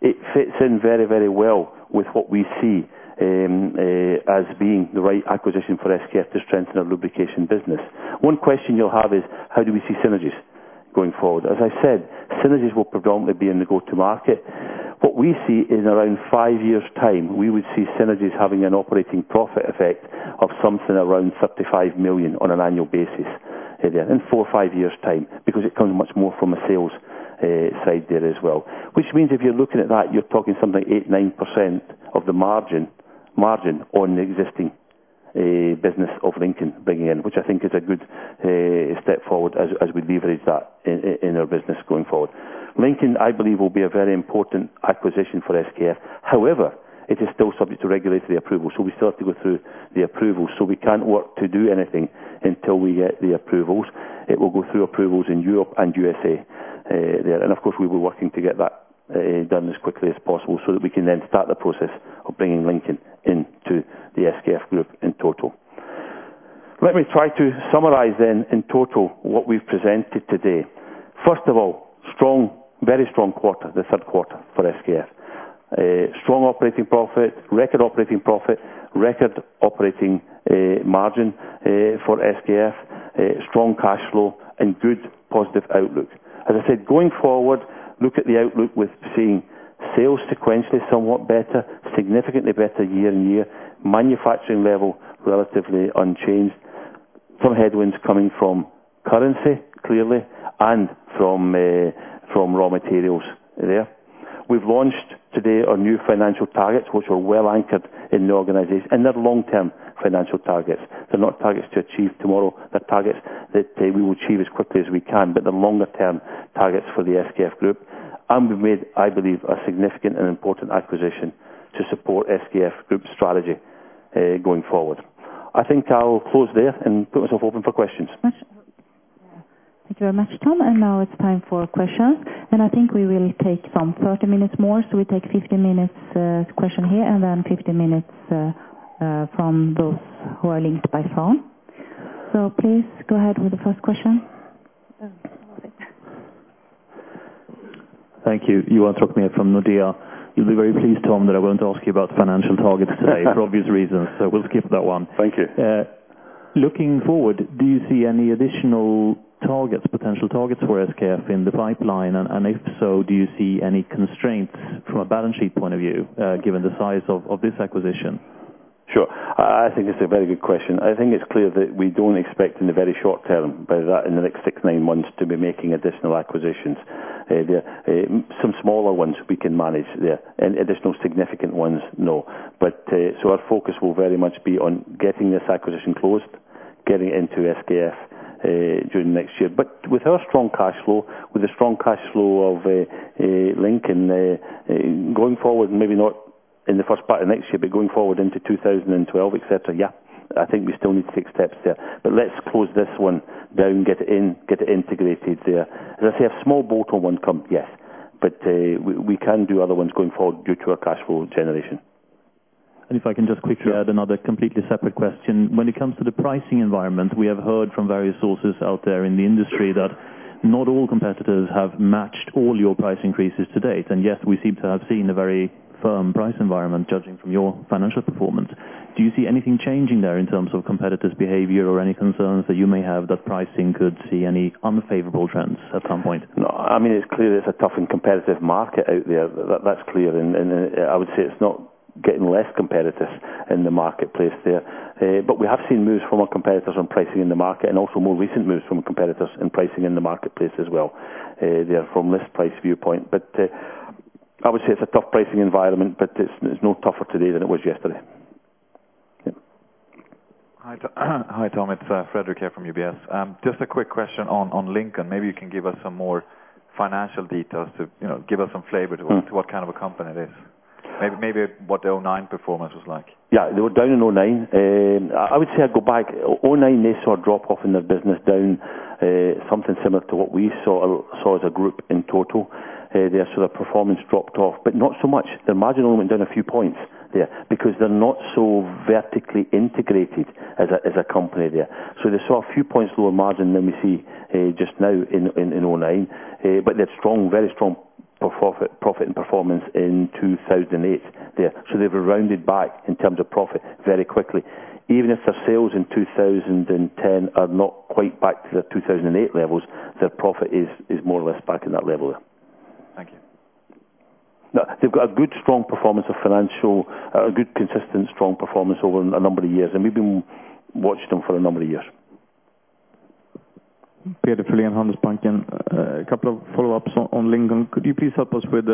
it fits in very, very well with what we see, as being the right acquisition for SKF to strengthen our lubrication business. One question you'll have is: How do we see synergies going forward? As I said, synergies will predominantly be in the go-to market. What we see is around 5 years' time, we would see synergies having an operating profit effect of something around 55 million on an annual basis, there in 4 or 5 years' time, because it comes much more from a sales side there as well. Which means if you're looking at that, you're talking something like 8%-9% of the margin on the existing business of Lincoln bringing in, which I think is a good step forward as we leverage that in our business going forward. Lincoln, I believe, will be a very important acquisition for SKF. However, it is still subject to regulatory approval, so we still have to go through the approvals, so we can't get to do anything until we get the approvals. It will go through approvals in Europe and USA, there. Of course, we were working to get that done as quickly as possible, so that we can then start the process of bringing Lincoln into the SKF group in total. Let me try to summarize then in total, what we've presented today. First of all, strong, very strong quarter, the third quarter for SKF. Strong operating profit, record operating profit, record operating margin for SKF, strong cash flow and good positive outlook. As I said, going forward, look at the outlook with seeing sales sequentially somewhat better, significantly better year-on-year, manufacturing level, relatively unchanged. Some headwinds coming from currency, clearly, and from raw materials there. We've launched today our new financial targets, which are well anchored in the organization, and they're long-term financial targets. They're not targets to achieve tomorrow, they're targets that we will achieve as quickly as we can, but the longer term, targets for the SKF group, and we've made, I believe, a significant and important acquisition to support SKF group strategy going forward. I think I'll close there and put myself open for questions. Thank you very much, Tom, and now it's time for questions. And I think we will take some 30 minutes more, so we take 15 minutes, question here, and then 15 minutes, from those who are linked by phone. So please go ahead with the first question. Thank you. Johan Trocmé from Nordea. You'll be very pleased, Tom, that I won't ask you about financial targets today, for obvious reasons, so we'll skip that one. Thank you. Looking forward, do you see any additional targets, potential targets for SKF in the pipeline? And if so, do you see any constraints from a balance sheet point of view, given the size of this acquisition? Sure. I think it's a very good question. I think it's clear that we don't expect in the very short term, but in the next 6-9 months, to be making additional acquisitions. There, some smaller ones we can manage there, and additional significant ones, no. But, so our focus will very much be on getting this acquisition closed, getting it into SKF, during next year. But with our strong cash flow, with the strong cash flow of, Lincoln, going forward, maybe not in the first part of next year, but going forward into 2012, et cetera, yeah, I think we still need to take steps there. But let's close this one, then get it in, get it integrated there. As I say, a small bolt-on come, yes, but we can do other ones going forward due to our cash flow generation. If I can just quickly- Yeah... add another completely separate question. When it comes to the pricing environment, we have heard from various sources out there in the industry, that not all competitors have matched all your price increases to date. Yes, we seem to have seen a very firm price environment judging from your financial performance. Do you see anything changing there in terms of competitors' behavior or any concerns that you may have that pricing could see any unfavorable trends at some point? No, I mean, it's clear it's a tough and competitive market out there. That's clear, and I would say it's not getting less competitive in the marketplace there. But we have seen moves from our competitors on pricing in the market, and also more recent moves from competitors in pricing in the marketplace as well, there from list price viewpoint. But I would say it's a tough pricing environment, but it's no tougher today than it was yesterday. Yeah. Hi, Tom. Hi, Tom, it's Frederick here from UBS. Just a quick question on Lincoln. Maybe you can give us some more financial details to, you know, give us some flavor to- Mm... to what kind of a company it is. Maybe, maybe what the 2009 performance was like. Yeah, they were down in 2009. I would say I'd go back, 2009, they saw a drop-off in their business down, something similar to what we saw as a group in total. Their sort of performance dropped off, but not so much. The margin only went down a few points there, because they're not so vertically integrated as a company there. So they saw a few points lower margin than we see just now in 2009. But they had strong, very strong profit and performance in 2008 there. So they've rounded back in terms of profit very quickly. Even if their sales in 2010 are not quite back to their 2008 levels, their profit is more or less back in that level there. Thank you. Now, they've got a good, strong performance of financial... a good, consistent, strong performance over a number of years, and we've been watching them for a number of years.... Peder Frölén, Handelsbanken. A couple of follow-ups on Lincoln. Could you please help us with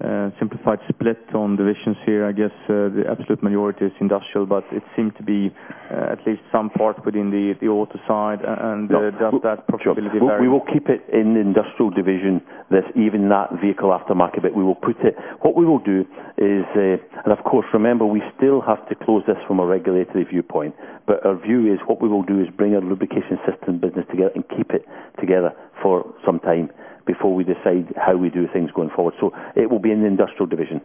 the simplified split on divisions here? I guess the absolute minority is industrial, but it seems to be at least some part within the auto side and the- Yeah- that profitability vary. We will keep it in the industrial division. There's even that vehicle aftermarket that we will put it. What we will do is, and of course, remember, we still have to close this from a regulatory viewpoint, but our view is what we will do is bring our lubrication system business together and keep it together for some time before we decide how we do things going forward. So it will be in the industrial division.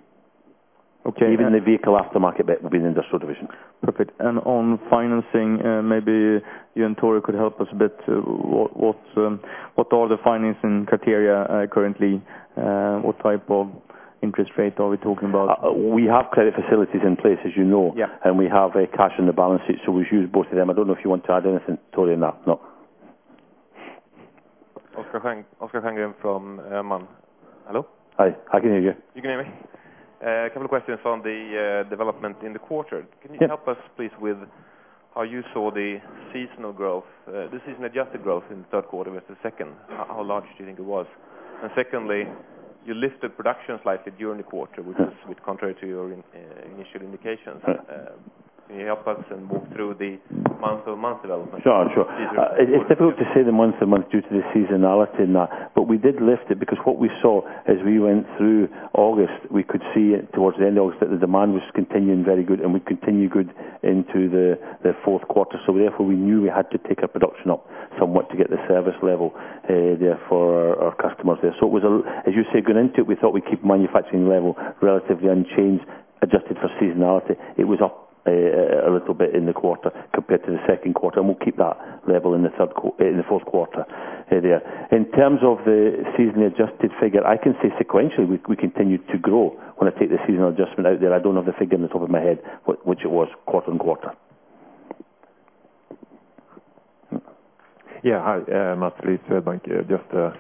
Okay. Even the vehicle aftermarket bit will be in the industrial division. Perfect. And on financing, maybe you and Tore could help us a bit. What are the financing criteria currently? What type of interest rate are we talking about? We have credit facilities in place, as you know. Yeah. We have cash in the balance sheet, so we use both of them. I don't know if you want to add anything, Tore, or not? No. Oscar Stjerngren from Mann. Hello? Hi. I can hear you. You can hear me? A couple of questions on the development in the quarter. Yeah. Can you help us, please, with how you saw the seasonal growth, the seasonally adjusted growth in the third quarter with the second, how large do you think it was? And secondly, you lifted production slightly during the quarter, which is contrary to your initial indications. Can you help us and walk through the month-over-month development? Sure, sure. Yeah. It's difficult to say month-to-month due to the seasonality in that, but we did lift it because what we saw as we went through August, we could see it towards the end of August, that the demand was continuing very good, and it continued good into the fourth quarter. Therefore, we knew we had to take our production up somewhat to get the service level there for our customers there. So it was, as you say, going into it, we thought we'd keep manufacturing level relatively unchanged, adjusted for seasonality. It was up a little bit in the quarter compared to the second quarter, and we'll keep that level in the fourth quarter there. In terms of the seasonally adjusted figure, I can say sequentially, we continued to grow. When I take the seasonal adjustment out there, I don't have the figure off the top of my head, but which it was quarter-on-quarter. Yeah, hi, Mats Liss, Swedbank. Just a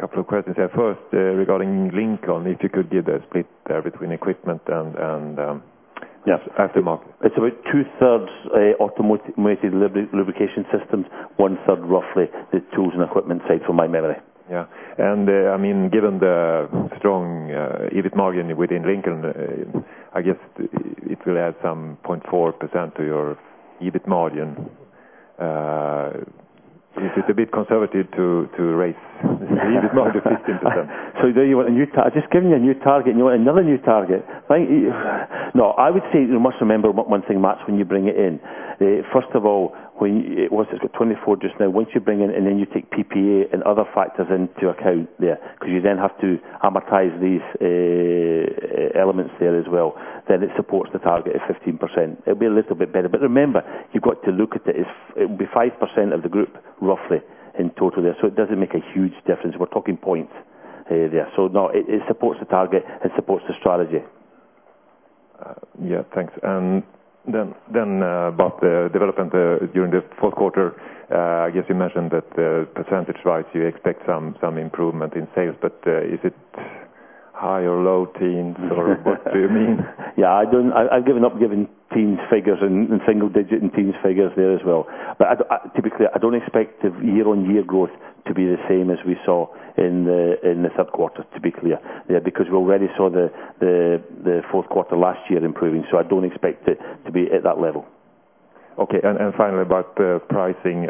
couple of questions there. First, regarding Lincoln, if you could give the split between equipment and, Yes. Aftermarket. It's about two-thirds automotive, automated lubrication systems, one-third, roughly, the tools and equipment side, from my memory. Yeah. And, I mean, given the strong EBIT margin within Lincoln, I guess it will add some 0.4% to your EBIT margin. It's a bit conservative to raise the EBIT margin 15%. So there you want a new target. I've just given you a new target, and you want another new target? Thank you. No, I would say you must remember one thing, Matt, when you bring it in. First of all, when it was at 24 just now. Once you bring it in, and then you take PPA and other factors into account there, because you then have to amortize these elements there as well, then it supports the target of 15%. It'll be a little bit better. But remember, you've got to look at it. It will be 5% of the group, roughly, in total there, so it doesn't make a huge difference. We're talking points there. So no, it supports the target, it supports the strategy. Yeah, thanks. And then, about the development during the fourth quarter, I guess you mentioned that, percentage-wise, you expect some improvement in sales, but, is it high or low teens, or what do you mean? Yeah, I don't. I've given up giving teens figures and single digit and teens figures there as well. But I, to be clear, I don't expect the year-on-year growth to be the same as we saw in the third quarter, to be clear. Yeah, because we already saw the fourth quarter last year improving, so I don't expect it to be at that level. Okay, and finally, about the pricing,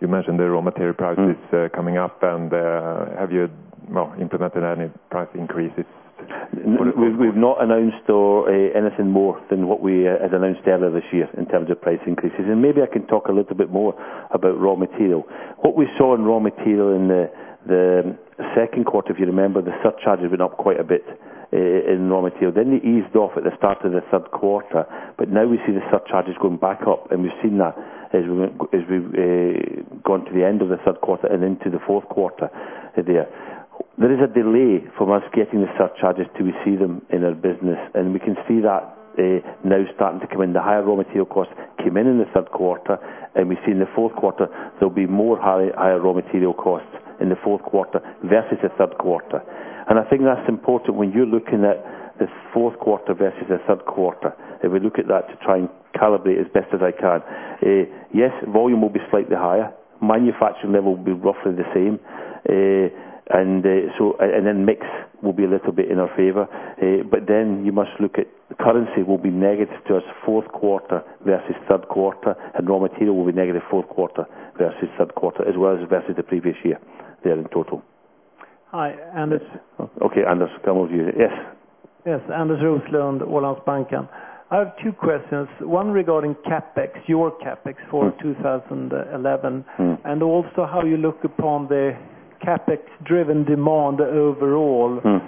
you mentioned the raw material prices- Mm. Coming up, and have you well implemented any price increases? We've not announced or anything more than what we has announced earlier this year in terms of price increases, and maybe I can talk a little bit more about raw material. What we saw in raw material in the second quarter, if you remember, the surcharges went up quite a bit in raw material. Then they eased off at the start of the third quarter, but now we see the surcharges going back up, and we've seen that as we went gone to the end of the third quarter and into the fourth quarter there. There is a delay from us getting the surcharges till we see them in our business, and we can see that now starting to come in. The higher raw material costs came in in the third quarter, and we see in the fourth quarter there'll be higher raw material costs in the fourth quarter versus the third quarter. And I think that's important when you're looking at the fourth quarter versus the third quarter. If we look at that to try and calibrate as best as I can, yes, volume will be slightly higher, manufacturing level will be roughly the same. And then mix will be a little bit in our favor. But then you must look at currency will be negative to us fourth quarter versus third quarter, and raw material will be negative fourth quarter versus third quarter, as well as versus the previous year there in total. Hi, Anders. Okay, Anders, come over here. Yes. Yes, Anders Roslund, Ålandsbanken. I have two questions, one regarding CapEx, your CapEx for 2011- Mm. and also how you look upon the CapEx-driven demand overall. Mm.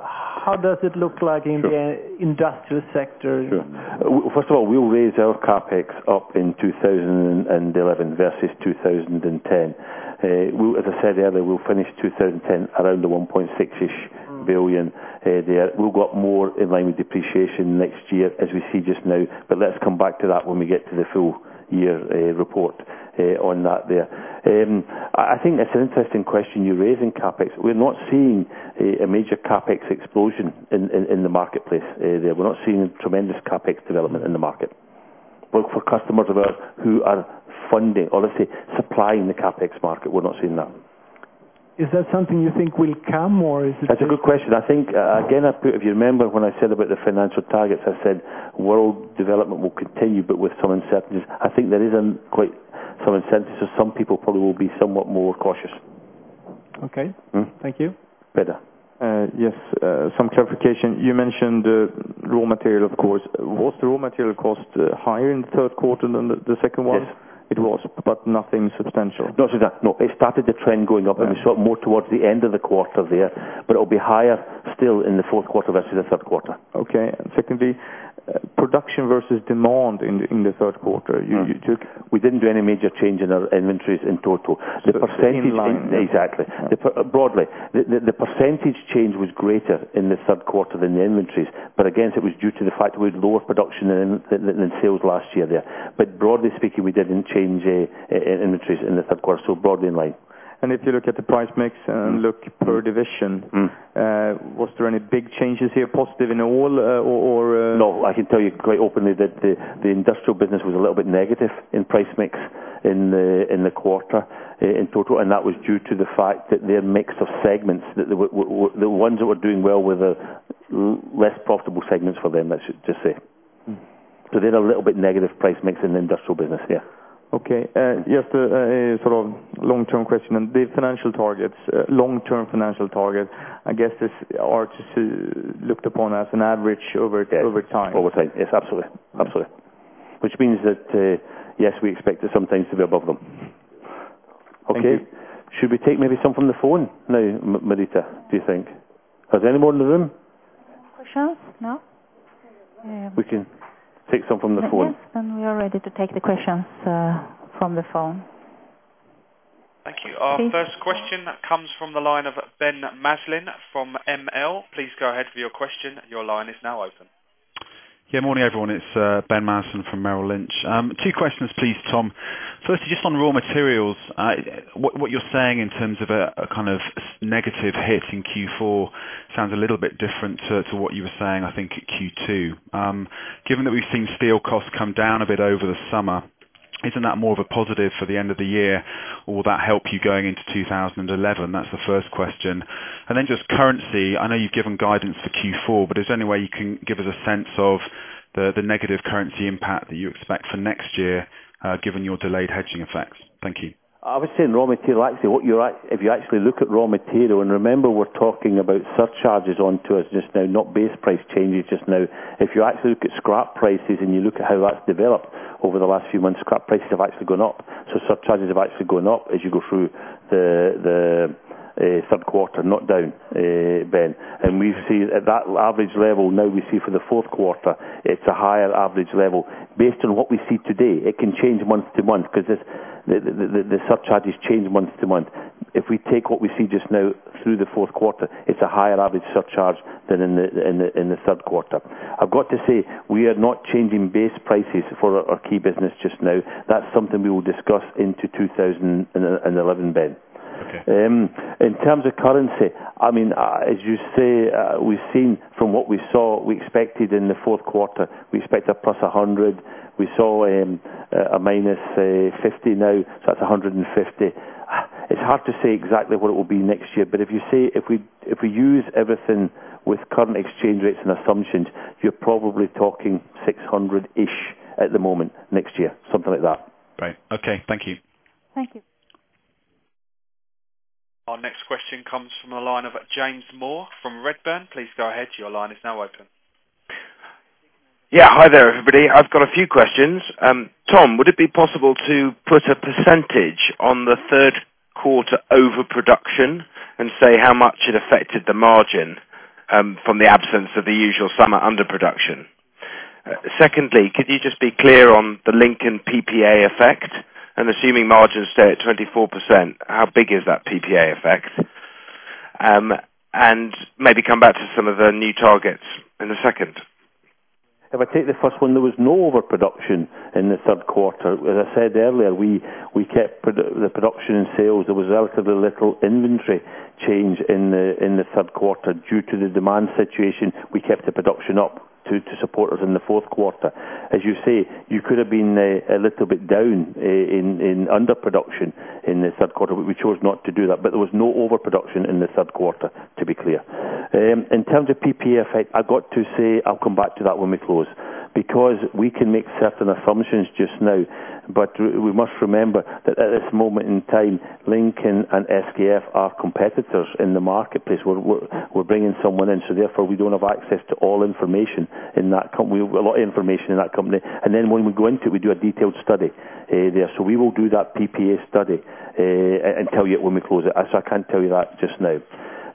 How does it look like? Sure. in the industrial sector? Sure. First of all, we'll raise our CapEx up in 2011 versus 2010. We'll, as I said earlier, we'll finish 2010 around the 1.6 billion SEK there. We'll go up more in line with depreciation next year, as we see just now, but let's come back to that when we get to the full year report on that there. I think that's an interesting question you raise in CapEx. We're not seeing a major CapEx explosion in the marketplace there. We're not seeing tremendous CapEx development in the market. But for customers of ours who are funding or let's say, supplying the CapEx market, we're not seeing that. Is that something you think will come, or is it? That's a good question. I think, again, if you remember, when I said about the financial targets, I said world development will continue, but with some uncertainties. I think there is a quite some uncertainty, so some people probably will be somewhat more cautious. Okay. Mm-hmm. Thank you. Peter. Yes, some clarification. You mentioned the raw material, of course. Was the raw material cost higher in the third quarter than the second one? Yes. It was, but nothing substantial. Not exactly. No, it started the trend going up- Yeah. and we saw more towards the end of the quarter there, but it will be higher still in the fourth quarter versus the third quarter. Okay. And secondly, production versus demand in the third quarter. You, you- We didn't do any major change in our inventories in total. The percentage- In line. Exactly. Broadly, the percentage change was greater in the third quarter than the inventories, but again, it was due to the fact that we had lower production than sales last year there. But broadly speaking, we didn't change inventories in the third quarter, so broadly in line. And if you look at the price mix- Mm. and look per division Mm. Was there any big changes here, positive in all, or? No. I can tell you quite openly that the industrial business was a little bit negative in price mix in the quarter, in total, and that was due to the fact that their mix of segments, the ones that were doing well were the less profitable segments for them, I should just say. Mm. They had a little bit negative price mix in the industrial business, yeah. Okay, just, a sort of long-term question. On the financial targets, long-term financial targets, I guess this are to, looked upon as an average over time. Yes, over time. Yes, absolutely. Absolutely. Which means that, yes, we expect some things to be above them. Okay? Thank you. Should we take maybe some from the phone now, Marita, do you think? Are there any more in the room? Questions? No. We can take some from the phone. Yes, and we are ready to take the questions from the phone. Thank you. Our first question comes from the line of Ben Maslen from ML. Please go ahead with your question. Your line is now open. Yeah, morning, everyone. It's Ben Maslen from Merrill Lynch. Two questions, please, Tom. First, just on raw materials, what you're saying in terms of a kind of negative hit in Q4 sounds a little bit different to what you were saying, I think, in Q2. Given that we've seen steel costs come down a bit over the summer, isn't that more of a positive for the end of the year, or will that help you going into 2011? That's the first question. And then just currency, I know you've given guidance for Q4, but is there any way you can give us a sense of the negative currency impact that you expect for next year, given your delayed hedging effects? Thank you. I would say in raw material, actually, what you... If you actually look at raw material, and remember, we're talking about surcharges onto us just now, not base price changes just now. If you actually look at scrap prices, and you look at how that's developed over the last few months, scrap prices have actually gone up. So surcharges have actually gone up as you go through the, the, third quarter, not down, Ben. And we see at that average level, now we see for the fourth quarter, it's a higher average level. Based on what we see today, it can change month to month, because the, the, the surcharges change month to month. If we take what we see just now through the fourth quarter, it's a higher average surcharge than in the, in the, in the third quarter. I've got to say, we are not changing base prices for our key business just now. That's something we will discuss in 2011, Ben. Okay. In terms of currency, I mean, as you say, we've seen from what we saw, we expected in the fourth quarter, we expect a +100. We saw a -50 now, so that's 150. It's hard to say exactly what it will be next year, but if you say... If we, if we use everything with current exchange rates and assumptions, you're probably talking 600-ish at the moment, next year, something like that. Great. Okay. Thank you. Thank you. Our next question comes from a line of James Moore from Redburn. Please go ahead. Your line is now open. Yeah. Hi there, everybody. I've got a few questions. Tom, would it be possible to put a percentage on the third quarter overproduction and say how much it affected the margin from the absence of the usual summer underproduction? Secondly, could you just be clear on the Lincoln PPA effect? And assuming margins, say, at 24%, how big is that PPA effect? And maybe come back to some of the new targets in a second. If I take the first one, there was no overproduction in the third quarter. As I said earlier, we kept the production and sales. There was relatively little inventory change in the third quarter. Due to the demand situation, we kept the production up to support us in the fourth quarter. As you say, you could have been a little bit down in underproduction in the third quarter. We chose not to do that, but there was no overproduction in the third quarter, to be clear. In terms of PPA effect, I've got to say, I'll come back to that when we close. Because we can make certain assumptions just now, but we must remember that at this moment in time, Lincoln and SKF are competitors in the marketplace. We're bringing someone in, so therefore, we don't have access to all information in that company, a lot of information in that company, and then when we go into it, we do a detailed study there. So we will do that PPA study, and tell you it when we close it. So I can't tell you that just now.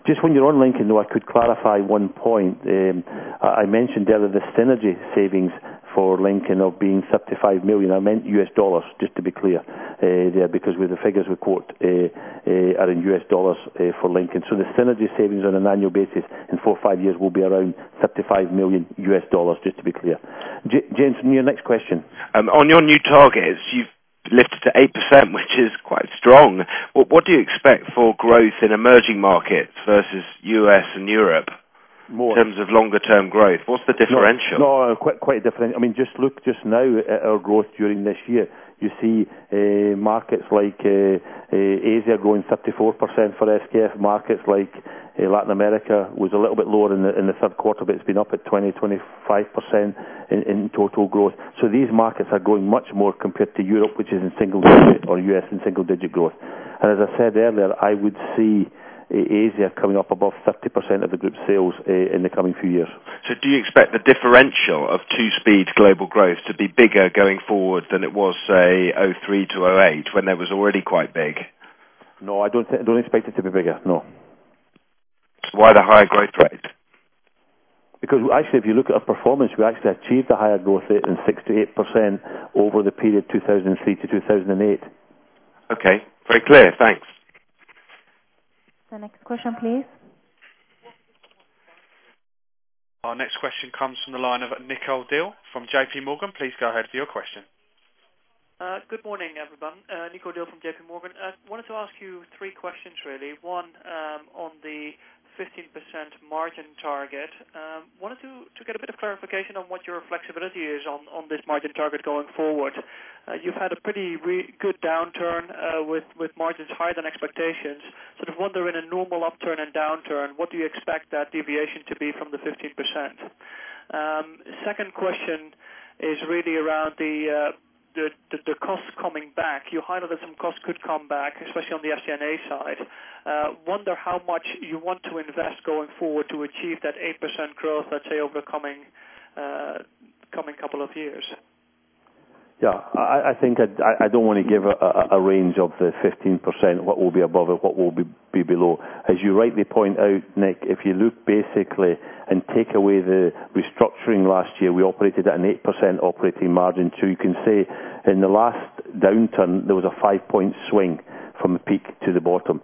Just when you're on Lincoln, though, I could clarify one point. I mentioned earlier the synergy savings for Lincoln of being $35 million. I meant US dollars, just to be clear, there, because with the figures we quote are in US dollars for Lincoln. So the synergy savings on an annual basis in 4-5 years will be around $35 million, just to be clear. James, and your next question? On your new targets, you've lifted to 8%, which is quite strong. What do you expect for growth in emerging markets versus U.S. and Europe? In terms of longer-term growth, what's the differential? No, quite, quite different. I mean, just look just now at our growth during this year. You see, markets like Asia growing 34% for SKF. Markets like Latin America was a little bit lower in the third quarter, but it's been up at 20-25% in total growth. So these markets are growing much more compared to Europe, which is in single digit, or U.S., in single digit growth. And as I said earlier, I would see Asia coming up above 30% of the group sales in the coming few years. So do you expect the differential of two-speed global growth to be bigger going forward than it was, say, 2003 to 2008, when that was already quite big? No, I don't expect it to be bigger, no. Why the higher growth rate? Because actually, if you look at our performance, we actually achieved a higher growth rate than 6%-8% over the period 2003-2008. Okay. Very clear. Thanks. The next question, please. Our next question comes from the line of Nico Dill from JP Morgan. Please go ahead with your question. Good morning, everyone. Nico Dill from JP Morgan. I wanted to ask you three questions, really. One, on the 15% margin target. Wanted to get a bit of clarification on what your flexibility is on this margin target going forward. You've had a pretty good downturn with margins higher than expectations. Sort of wondering, in a normal upturn and downturn, what do you expect that deviation to be from the 15%? Second question is really around the cost coming back. You highlighted some costs could come back, especially on the SG&A side. Wonder how much you want to invest going forward to achieve that 8% growth, let's say, over the coming couple of years? Yeah, I think I don't want to give a range of the 15%, what will be above it, what will be below. As you rightly point out, Nick, if you look basically and take away the restructuring last year, we operated at an 8% operating margin. So you can say in the last downturn, there was a five-point swing from the peak to the bottom,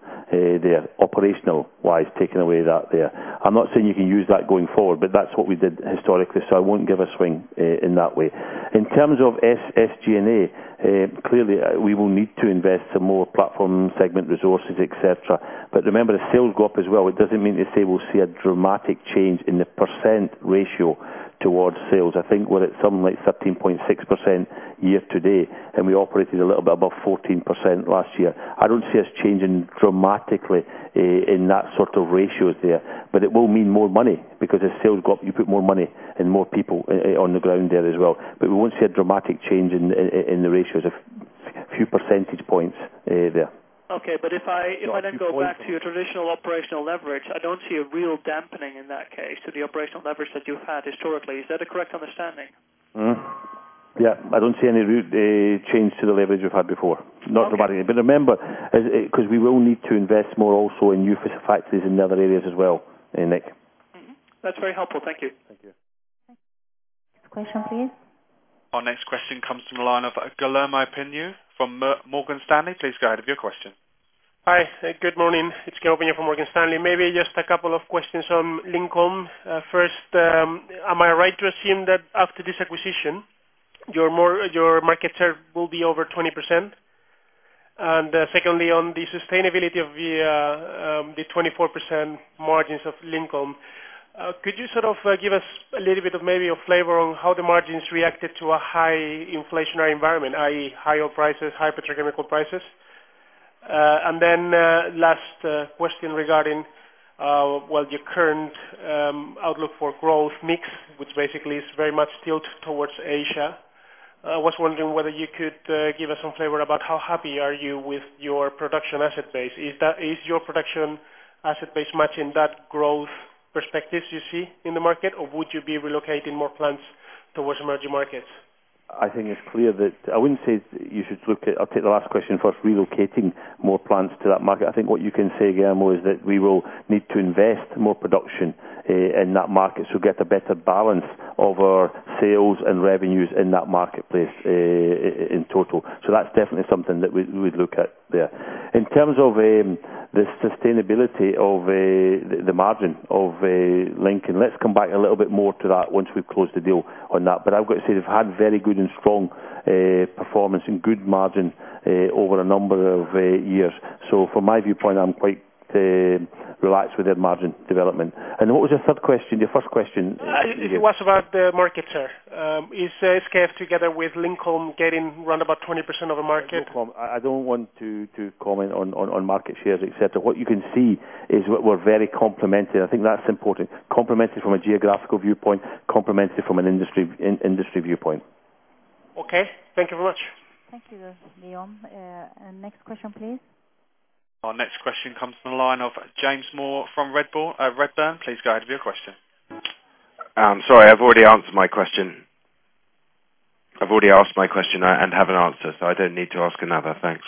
operational-wise, taking away that there. I'm not saying you can use that going forward, but that's what we did historically, so I won't give a swing in that way. In terms of SG&A, clearly, we will need to invest some more platform, segment, resources, et cetera. But remember, the sales go up as well. It doesn't mean to say we'll see a dramatic change in the percent ratio towards sales. I think we're at something like 13.6% year to date, and we operated a little bit above 14% last year. I don't see us changing dramatically in that sort of ratios there, but it will mean more money because as sales go up, you put more money and more people on the ground there as well. But we won't see a dramatic change in, in the ratios, a few percentage points, there. Okay. But if I, if I then go back to your traditional operational leverage, I don't see a real dampening in that case to the operational leverage that you've had historically. Is that a correct understanding? Mm-hmm. Yeah, I don't see any root change to the leverage we've had before. Okay. Not anybody. But remember, 'cause we will need to invest more also in new facilities in other areas as well, Nick. Mm-hmm. That's very helpful. Thank you. Thank you. Next question for you. Our next question comes from the line of Guillermo Peigneux from Morgan Stanley. Please go ahead with your question. Hi, good morning. It's Guillermo Peigneux from Morgan Stanley. Maybe just a couple of questions on Lincoln. First, am I right to assume that after this acquisition, your market share will be over 20%? And secondly, on the sustainability of the 24% margins of Lincoln, could you sort of give us a little bit of maybe a flavor on how the margins reacted to a high inflationary environment, i.e., higher prices, higher petrochemical prices? And then, last question regarding, well, your current outlook for growth mix, which basically is very much tilted towards Asia. I was wondering whether you could give us some flavor about how happy are you with your production asset base. Is that... Is your production asset base matching that growth perspectives you see in the market, or would you be relocating more plants towards emerging markets? I think it's clear that I wouldn't say you should look at... I'll take the last question first, relocating more plants to that market. I think what you can say, Guillermo, is that we will need to invest more production in that market to get a better balance of our sales and revenues in that marketplace in total. So that's definitely something that we, we'd look at there. In terms of the sustainability of the margin of Lincoln, let's come back a little bit more to that once we've closed the deal on that. But I've got to say, they've had very good and strong performance and good margin over a number of years. So from my viewpoint, I'm quite relaxed with their margin development. And what was your third question, your first question? It was about the market share. Is SKF together with Lincoln getting around about 20% of the market? I don't want to comment on market shares, et cetera. What you can see is we're very complementary. I think that's important. Complementary from a geographical viewpoint, complementary from an industry viewpoint. Okay, thank you very much. Thank you, Guillermo. Next question, please. Our next question comes from the line of James Moore from Redburn. Please go ahead with your question. Sorry, I've already answered my question. I've already asked my question and have an answer, so I don't need to ask another. Thanks.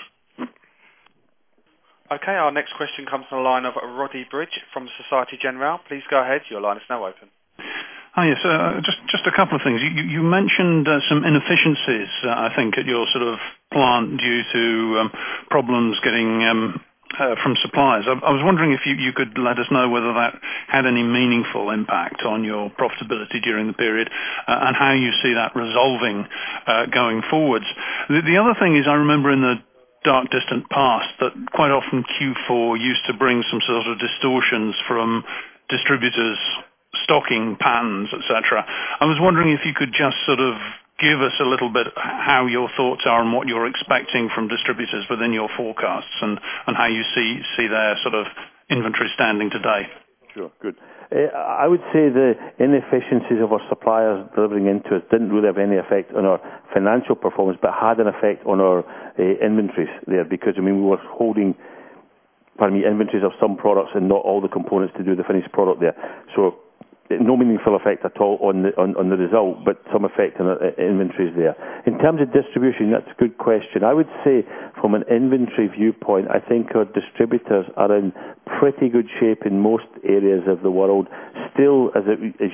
Okay, our next question comes from the line of Roddy Bridge from Société Générale. Please go ahead. Your line is now open. Hi, so just a couple of things. You mentioned some inefficiencies, I think, at your sort of plant due to problems getting from suppliers. I was wondering if you could let us know whether that had any meaningful impact on your profitability during the period, and how you see that resolving going forwards? The other thing is, I remember in the dark, distant past, that quite often Q4 used to bring some sort of distortions from distributors, stocking patterns, et cetera. I was wondering if you could just sort of give us a little bit, how your thoughts are and what you're expecting from distributors within your forecasts, and how you see their sort of inventory standing today? Sure. Good. I would say the inefficiencies of our suppliers delivering into us didn't really have any effect on our financial performance, but had an effect on our inventories there. Because, I mean, we were holding, pardon me, inventories of some products and not all the components to do the finished product there. So no meaningful effect at all on the result, but some effect on our inventories there. In terms of distribution, that's a good question. I would say from an inventory viewpoint, I think our distributors are in pretty good shape in most areas of the world. Still, as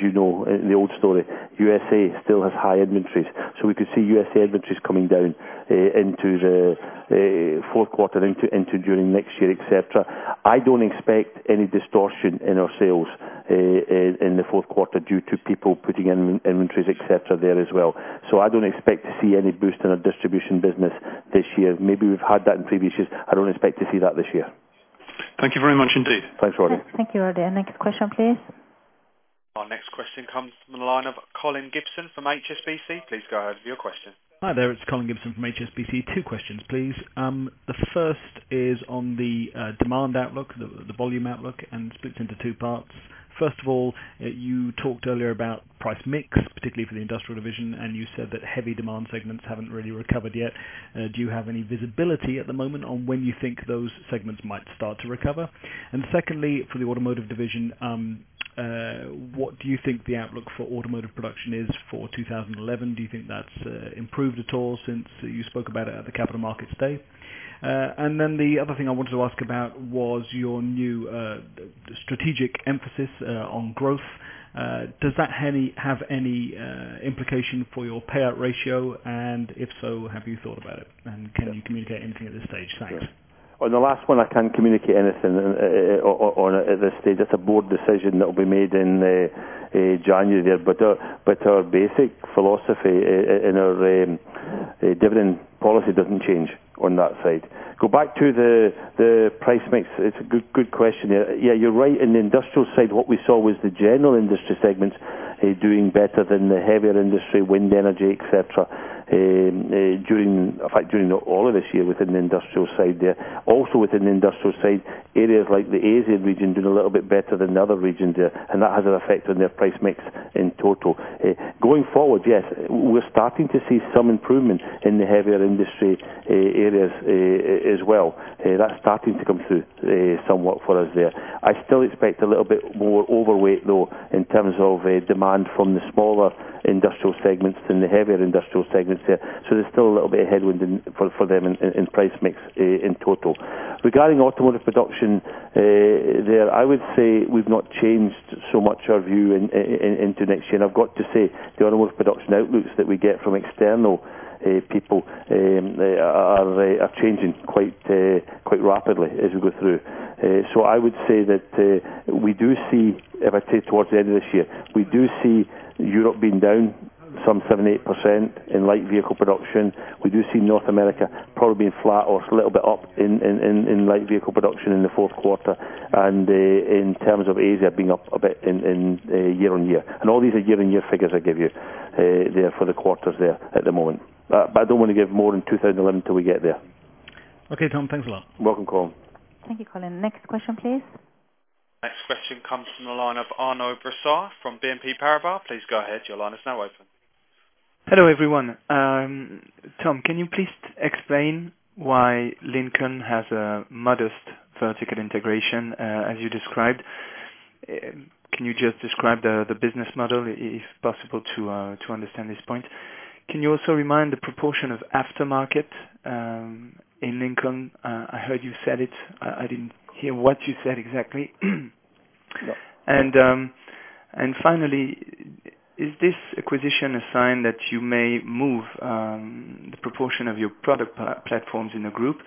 you know, in the old story, USA still has high inventories. So we could see USA inventories coming down into the fourth quarter into during next year, et cetera. I don't expect any distortion in our sales, in the fourth quarter due to people putting in inventories, et cetera, there as well. So I don't expect to see any boost in our distribution business this year. Maybe we've had that in previous years. I don't expect to see that this year. Thank you very much indeed. Thanks, Roddy. Thank you, Roddy. Next question, please. Our next question comes from the line of Colin Gibson from HSBC. Please go ahead with your question. Hi there, it's Colin Gibson from HSBC. Two questions, please. The first is on the demand outlook, the volume outlook, and split into two parts. First of all, you talked earlier about price mix, particularly for the industrial division, and you said that heavy demand segments haven't really recovered yet. Do you have any visibility at the moment on when you think those segments might start to recover? And secondly, for the automotive division, what do you think the outlook for automotive production is for 2011? Do you think that's improved at all since you spoke about it at the Capital Markets Day? And then the other thing I wanted to ask about was your new strategic emphasis on growth. Does that have any implication for your payout ratio? If so, have you thought about it? Can you communicate anything at this stage? Thanks. On the last one, I can't communicate anything on it at this stage. It's a board decision that will be made in January there. But our basic philosophy in our dividend policy doesn't change on that side. Go back to the price mix. It's a good question there. Yeah, you're right. In the industrial side, what we saw was the general industry segments doing better than the heavier industry, wind energy, et cetera, during, in fact, during all of this year, within the industrial side there. Also within the industrial side, areas like the Asian region doing a little bit better than the other regions there, and that has an effect on their price mix in total. Going forward, yes, we're starting to see some improvement in the heavier industry areas as well. That's starting to come through somewhat for us there. I still expect a little bit more overweight, though, in terms of a demand from the smaller industrial segments than the heavier industrial segments there. So there's still a little bit of headwind in for them in price mix in total. Regarding automotive production, there, I would say we've not changed so much our view into next year. And I've got to say, the automotive production outlooks that we get from external people are changing quite rapidly as we go through. So I would say that we do see, if I take towards the end of this year, we do see Europe being down some 7-8% in light vehicle production. We do see North America probably being flat or a little bit up in light vehicle production in the fourth quarter. And in terms of Asia, being up a bit in year-on-year. And all these are year-on-year figures I give you there for the quarters there at the moment. But I don't want to give more on 2011 until we get there. Okay, Tom, thanks a lot. You're welcome, Colin. Thank you, Colin. Next question, please. Next question comes from the line of Arnaud Brossard from BNP Paribas. Please go ahead. Your line is now open. Hello, everyone. Tom, can you please explain why Lincoln has a modest vertical integration, as you described? Can you just describe the business model, if possible, to understand this point? Can you also remind the proportion of aftermarket in Lincoln? I heard you said it. I didn't hear what you said exactly. Yeah. Finally, is this acquisition a sign that you may move the proportion of your product platforms in the group?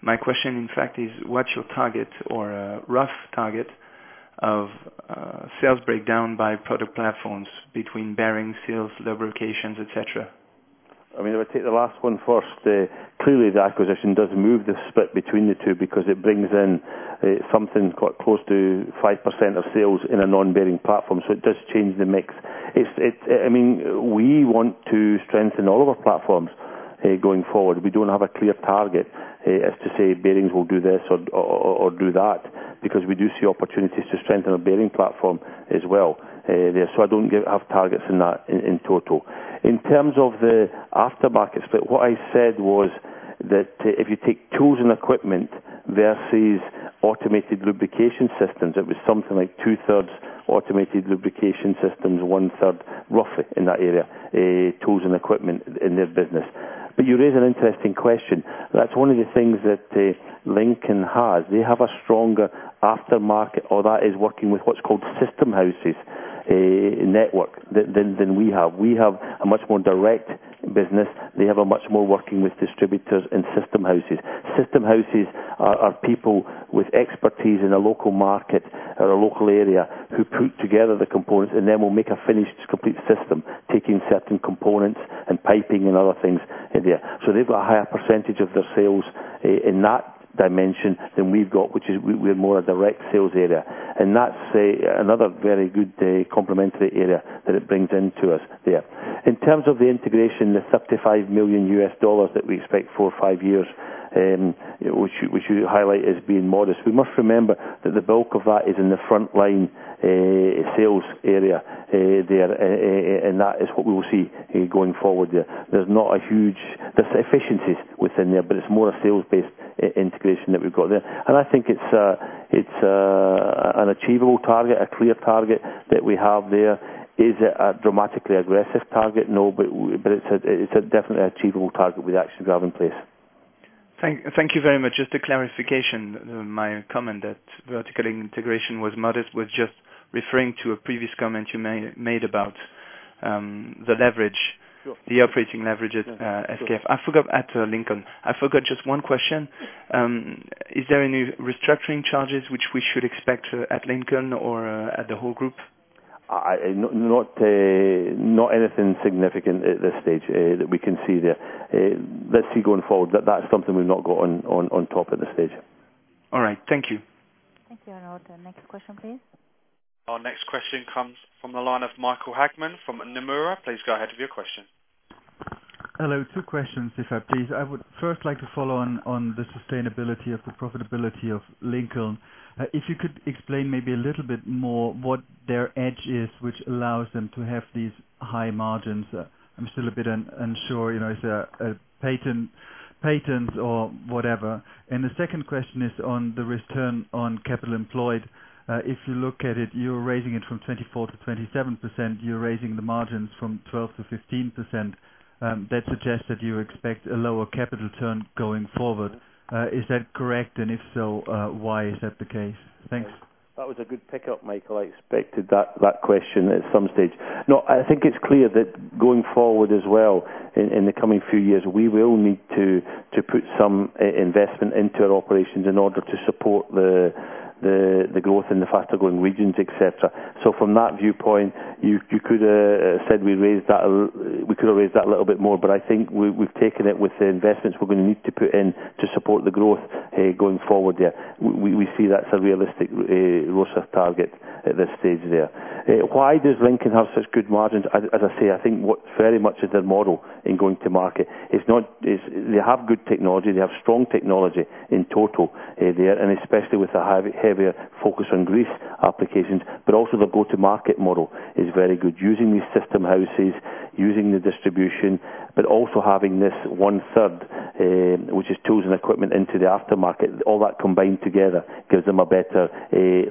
My question, in fact, is, what's your target or rough target of sales breakdown by product platforms between bearing sales, lubrication, et cetera? I mean, if I take the last one first, clearly the acquisition does move the split between the two, because it brings in something quite close to 5% of sales in a non-bearing platform, so it does change the mix. It's it... I mean, we want to strengthen all of our platforms going forward. We don't have a clear target as to say, bearings will do this or or do that, because we do see opportunities to strengthen our bearing platform as well there. So I don't have targets in that in total. In terms of the aftermarket split, what I said was that if you take tools and equipment versus automated lubrication systems, it was something like two-thirds automated lubrication systems, one-third, roughly in that area, tools and equipment in their business. But you raise an interesting question. That's one of the things that, Lincoln has. They have a stronger aftermarket, or that is working with what's called system houses, a network than we have. We have a much more direct business. They have a much more working with distributors and system houses. System houses are people with expertise in a local market or a local area, who put together the components, and then will make a finished, complete system, taking certain components and piping and other things in there. So they've got a higher percentage of their sales in that dimension than we've got, which is we, we're more a direct sales area. And that's another very good complementary area that it brings into us there. In terms of the integration, the $35 million that we expect four or five years, which you highlight as being modest. We must remember that the bulk of that is in the frontline sales area there, and that is what we will see going forward there. There's not a huge... There are efficiencies within there, but it's more a sales-based integration that we've got there. And I think it's an achievable target, a clear target that we have there. Is it a dramatically aggressive target? No, but it's a definitely achievable target with action to have in place. Thank you very much. Just a clarification, my comment that vertical integration was modest was just referring to a previous comment you made about the leverage- Sure. -the operating leverage at, SKF. Sure. I forgot... At Lincoln. I forgot just one question. Is there any restructuring charges which we should expect at Lincoln or at the whole group? Not anything significant at this stage that we can see there. Let's see, going forward, that that's something we've not got on, on, on top at this stage. All right. Thank you. Thank you, Arnold. The next question, please. Our next question comes from the line of Michael Hagmann from Nomura. Please go ahead with your question. Hello. Two questions, if I may. I would first like to follow on the sustainability of the profitability of Lincoln. If you could explain maybe a little bit more what their edge is, which allows them to have these high margins. I'm still a bit unsure, you know, is there patents or whatever? And the second question is on the return on capital employed. If you look at it, you're raising it from 24%-27%. You're raising the margins from 12%-15%. That suggests that you expect a lower capital return going forward. Is that correct? And if so, why is that the case? Thanks. That was a good pickup, Michael. I expected that question at some stage. No, I think it's clear that going forward as well, in the coming few years, we will need to put some investment into our operations in order to support the growth in the faster growing regions, et cetera. So from that viewpoint, you could say we raised that a little bit more, but I think we've taken it with the investments we're gonna need to put in to support the growth going forward there. We see that's a realistic ROCE target at this stage there. Why does Lincoln have such good margins? As I say, I think what very much is their model in going to market is not... As they have good technology, they have strong technology in total, there, and especially with the heavier focus on grease applications, but also their go-to-market model is very good. Using these system houses, using the distribution, but also having this one-third, which is tools and equipment into the aftermarket. All that combined together gives them a better,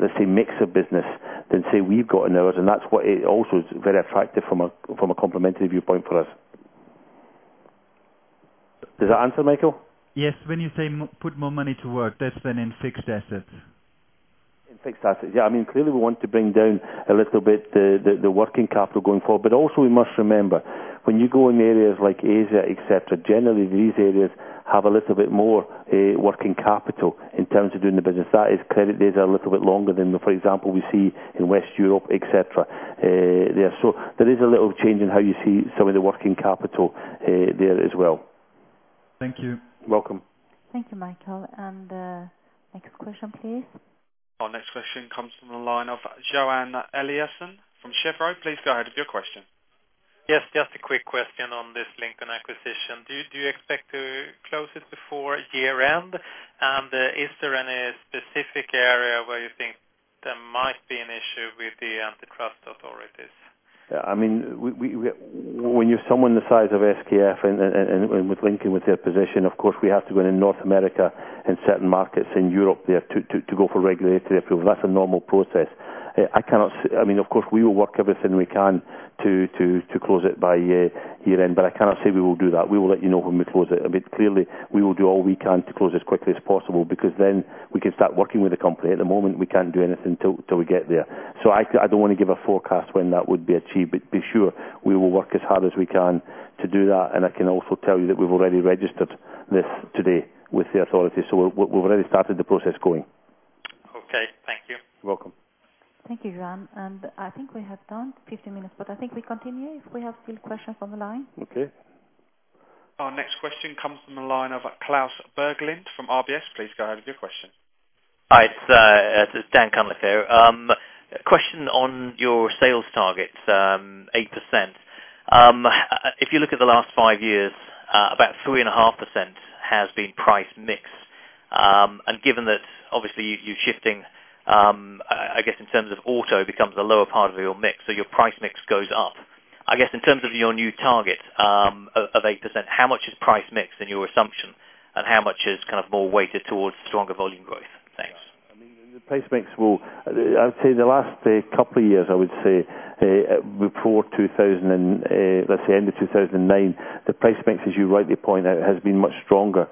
let's say, mix of business than, say, we've got in ours, and that's what it also is very attractive from a, from a complementary viewpoint for us. Does that answer, Michael? Yes. When you say put more money to work, that's been in fixed assets? In fixed assets. Yeah, I mean, clearly, we want to bring down a little bit the working capital going forward, but also you must remember, when you go in areas like Asia, et cetera, generally, these areas have a little bit more working capital in terms of doing the business. That is, credit days are a little bit longer than, for example, we see in West Europe, et cetera, there. So there is a little change in how you see some of the working capital, there as well. Thank you. Welcome. Thank you, Michael. Next question, please. Our next question comes from the line of Joakim Eliasson from Sheffield. Please go ahead with your question. Yes, just a quick question on this Lincoln acquisition. Do you expect to close it before year-end? And, is there any specific area where you think there might be an issue with the antitrust authorities? Yeah, I mean, we, when you're someone the size of SKF and with Lincoln, with their position, of course, we have to go in North America and certain markets in Europe there to go for regulatory approval. That's a normal process. I mean, of course, we will work everything we can to close it by year-end, but I cannot say we will do that. We will let you know when we close it. I mean, clearly, we will do all we can to close as quickly as possible, because then we can start working with the company. At the moment, we can't do anything till we get there. So I don't want to give a forecast when that would be achieved, but be sure we will work as hard as we can to do that, and I can also tell you that we've already registered this today with the authorities, so we've already started the process going. Okay. Thank you. You're welcome. Thank you, Joanne. I think we have time, 15 minutes, but I think we continue, if we have still questions on the line. Okay. Our next question comes from the line of Klas Bergelind, from RBS. Please go ahead with your question. Hi, it's, it's Dan Cunliffe here. A question on your sales targets, eight percent. If you look at the last five years, about 3.5% has been price mix. And given that obviously you, you're shifting, I guess, in terms of auto, becomes a lower part of your mix, so your price mix goes up. I guess in terms of your new target, of, of 8%, how much is price mix in your assumption, and how much is kind of more weighted towards stronger volume growth? ... The price mix will, I would say the last couple of years, I would say, before 2009, the price mix, as you rightly point out, has been much stronger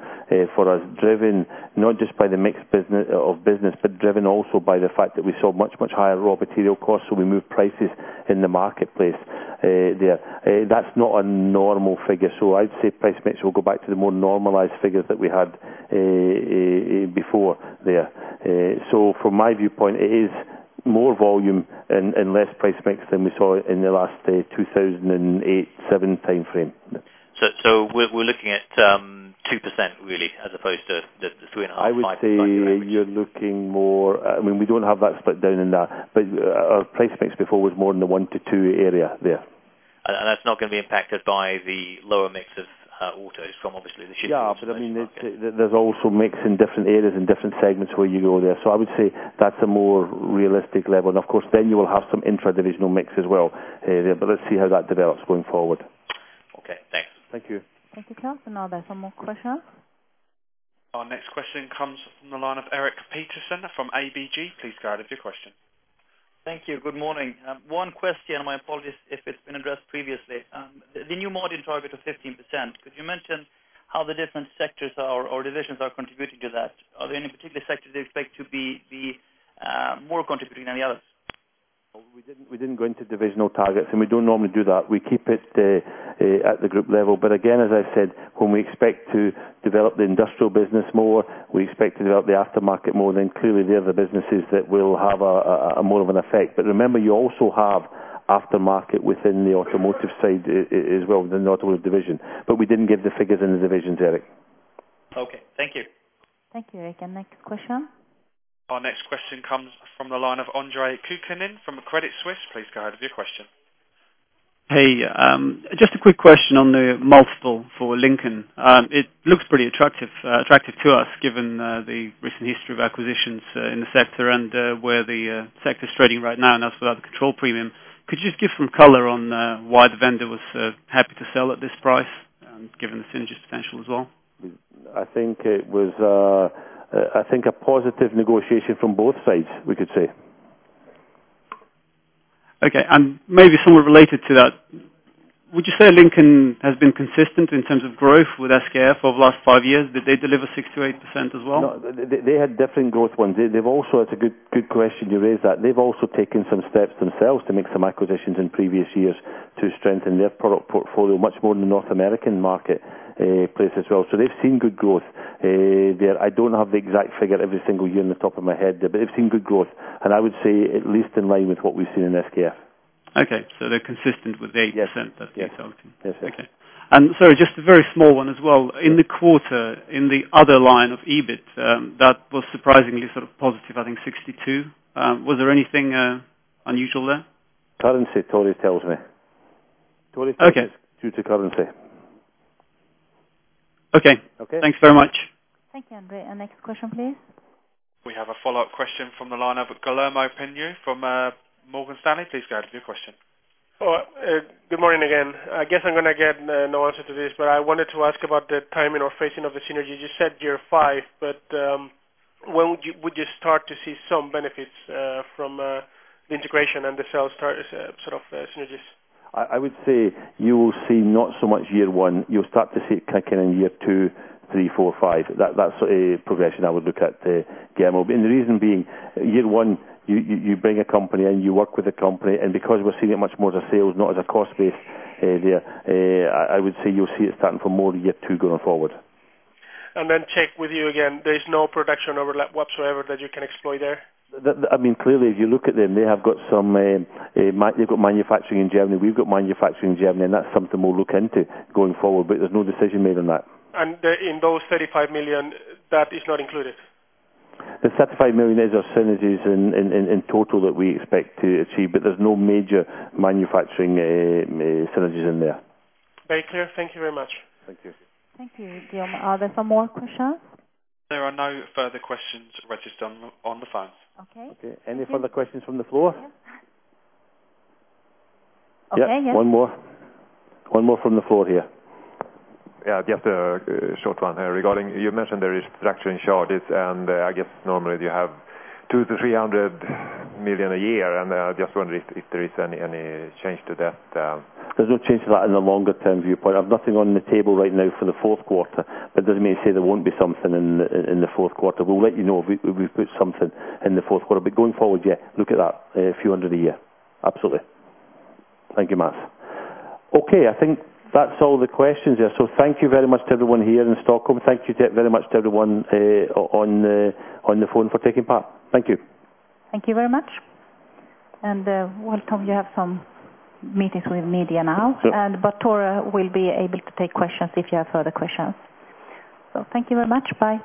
for us. Driven, not just by the mix business, of business, but driven also by the fact that we saw much, much higher raw material costs, so we moved prices in the marketplace there. That's not a normal figure, so I'd say price mix will go back to the more normalized figures that we had before there. So from my viewpoint, it is more volume and less price mix than we saw in the last 2007-2008 time frame. So we're looking at 2% really, as opposed to the 3.5-5% I would say you're looking more... I mean, we don't have that split down in that, but, our price mix before was more in the 1-2 area there. And that's not gonna be impacted by the lower mix of autos from obviously the shipping? Yeah, but I mean, it, there's also mix in different areas and different segments where you go there. So I would say that's a more realistic level. And of course, then you will have some intra-divisional mix as well, but let's see how that develops going forward. Okay, thanks. Thank you. Thank you, Charles. Are there some more questions? Our next question comes from the line of Erik Pettersson from ABG. Please go ahead with your question. Thank you. Good morning. One question, my apologies if it's been addressed previously. The new margin target of 15%, could you mention how the different sectors or divisions are contributing to that? Are there any particular sectors you expect to be more contributing than the others? We didn't, we didn't go into divisional targets, and we don't normally do that. We keep it at the group level. But again, as I said, when we expect to develop the industrial business more, we expect to develop the aftermarket more, then clearly they are the businesses that will have a more of an effect. But remember, you also have aftermarket within the automotive side as well, within the automotive division. But we didn't give the figures in the divisions, Eric. Okay. Thank you. Thank you, Eric. Next question. Our next question comes from the line of Andre Kukhnin from Credit Suisse. Please go ahead with your question. Hey, just a quick question on the multiple for Lincoln. It looks pretty attractive, attractive to us, given, the recent history of acquisitions, in the sector and, where the, sector is trading right now, and that's without the control premium. Could you just give some color on, why the vendor was, happy to sell at this price, given the synergy potential as well? I think it was, I think a positive negotiation from both sides, we could say. Okay. And maybe somewhat related to that, would you say Lincoln has been consistent in terms of growth with SKF over the last five years? Did they deliver 6%-8% as well? No, they, they had different growth ones. They've also... It's a good, good question you raised that. They've also taken some steps themselves to make some acquisitions in previous years to strengthen their product portfolio much more in the North American market, place as well. So they've seen good growth, there. I don't have the exact figure every single year in the top of my head, but they've seen good growth, and I would say at least in line with what we've seen in SKF. Okay. So they're consistent with the 8%- Yes. that's being sold to. Yes, exactly. Okay. Sorry, just a very small one as well. In the quarter, in the other line of EBIT, that was surprisingly sort of positive, I think 62. Was there anything unusual there? Currency, Tore tells me. Okay. Totally due to currency. Okay. Okay? Thanks very much. Thank you, Andre. And next question, please. We have a follow-up question from the line of Guillermo Pena from Morgan Stanley. Please go ahead with your question. Hello. Good morning again. I guess I'm gonna get no answer to this, but I wanted to ask about the timing or phasing of the synergy. You said year five, but when would you start to see some benefits from the integration and the sales start sort of synergies? I would say you will see not so much year one. You'll start to see it kicking in year two, three, four, five. That's a progression I would look at, Guillermo. And the reason being, year one, you bring a company and you work with a company, and because we're seeing it much more as a sales, not as a cost base, there, I would say you'll see it starting from more year two going forward. And then, check with you again, there's no production overlap whatsoever that you can exploit there? I mean, clearly, if you look at them, they have got some, they've got manufacturing in Germany, we've got manufacturing in Germany, and that's something we'll look into going forward, but there's no decision made on that. In those 35 million, that is not included? The 35 million is our synergies in total that we expect to achieve, but there's no major manufacturing synergies in there. Very clear. Thank you very much. Thank you. Thank you, Guillermo. Are there some more questions? There are no further questions registered on the phone. Okay. Okay. Any further questions from the floor? Okay, yes. Yeah, one more. One more from the floor here. Yeah, just a short one regarding you mentioned the restructuring charges, and I guess normally you have 200 million-300 million a year, and I just wonder if there is any change to that? There's no change to that in the longer term viewpoint. I've nothing on the table right now for the fourth quarter, but it doesn't mean to say there won't be something in the fourth quarter. We'll let you know if we've put something in the fourth quarter. But going forward, yeah, look at that, a few hundred a year. Absolutely. Thank you, Matt. Okay, I think that's all the questions there. So thank you very much to everyone here in Stockholm. Thank you very much to everyone on the phone for taking part. Thank you. Thank you very much. And, well, Tom, you have some meetings with media now. Yep. But Tore will be able to take questions if you have further questions. So thank you very much. Bye.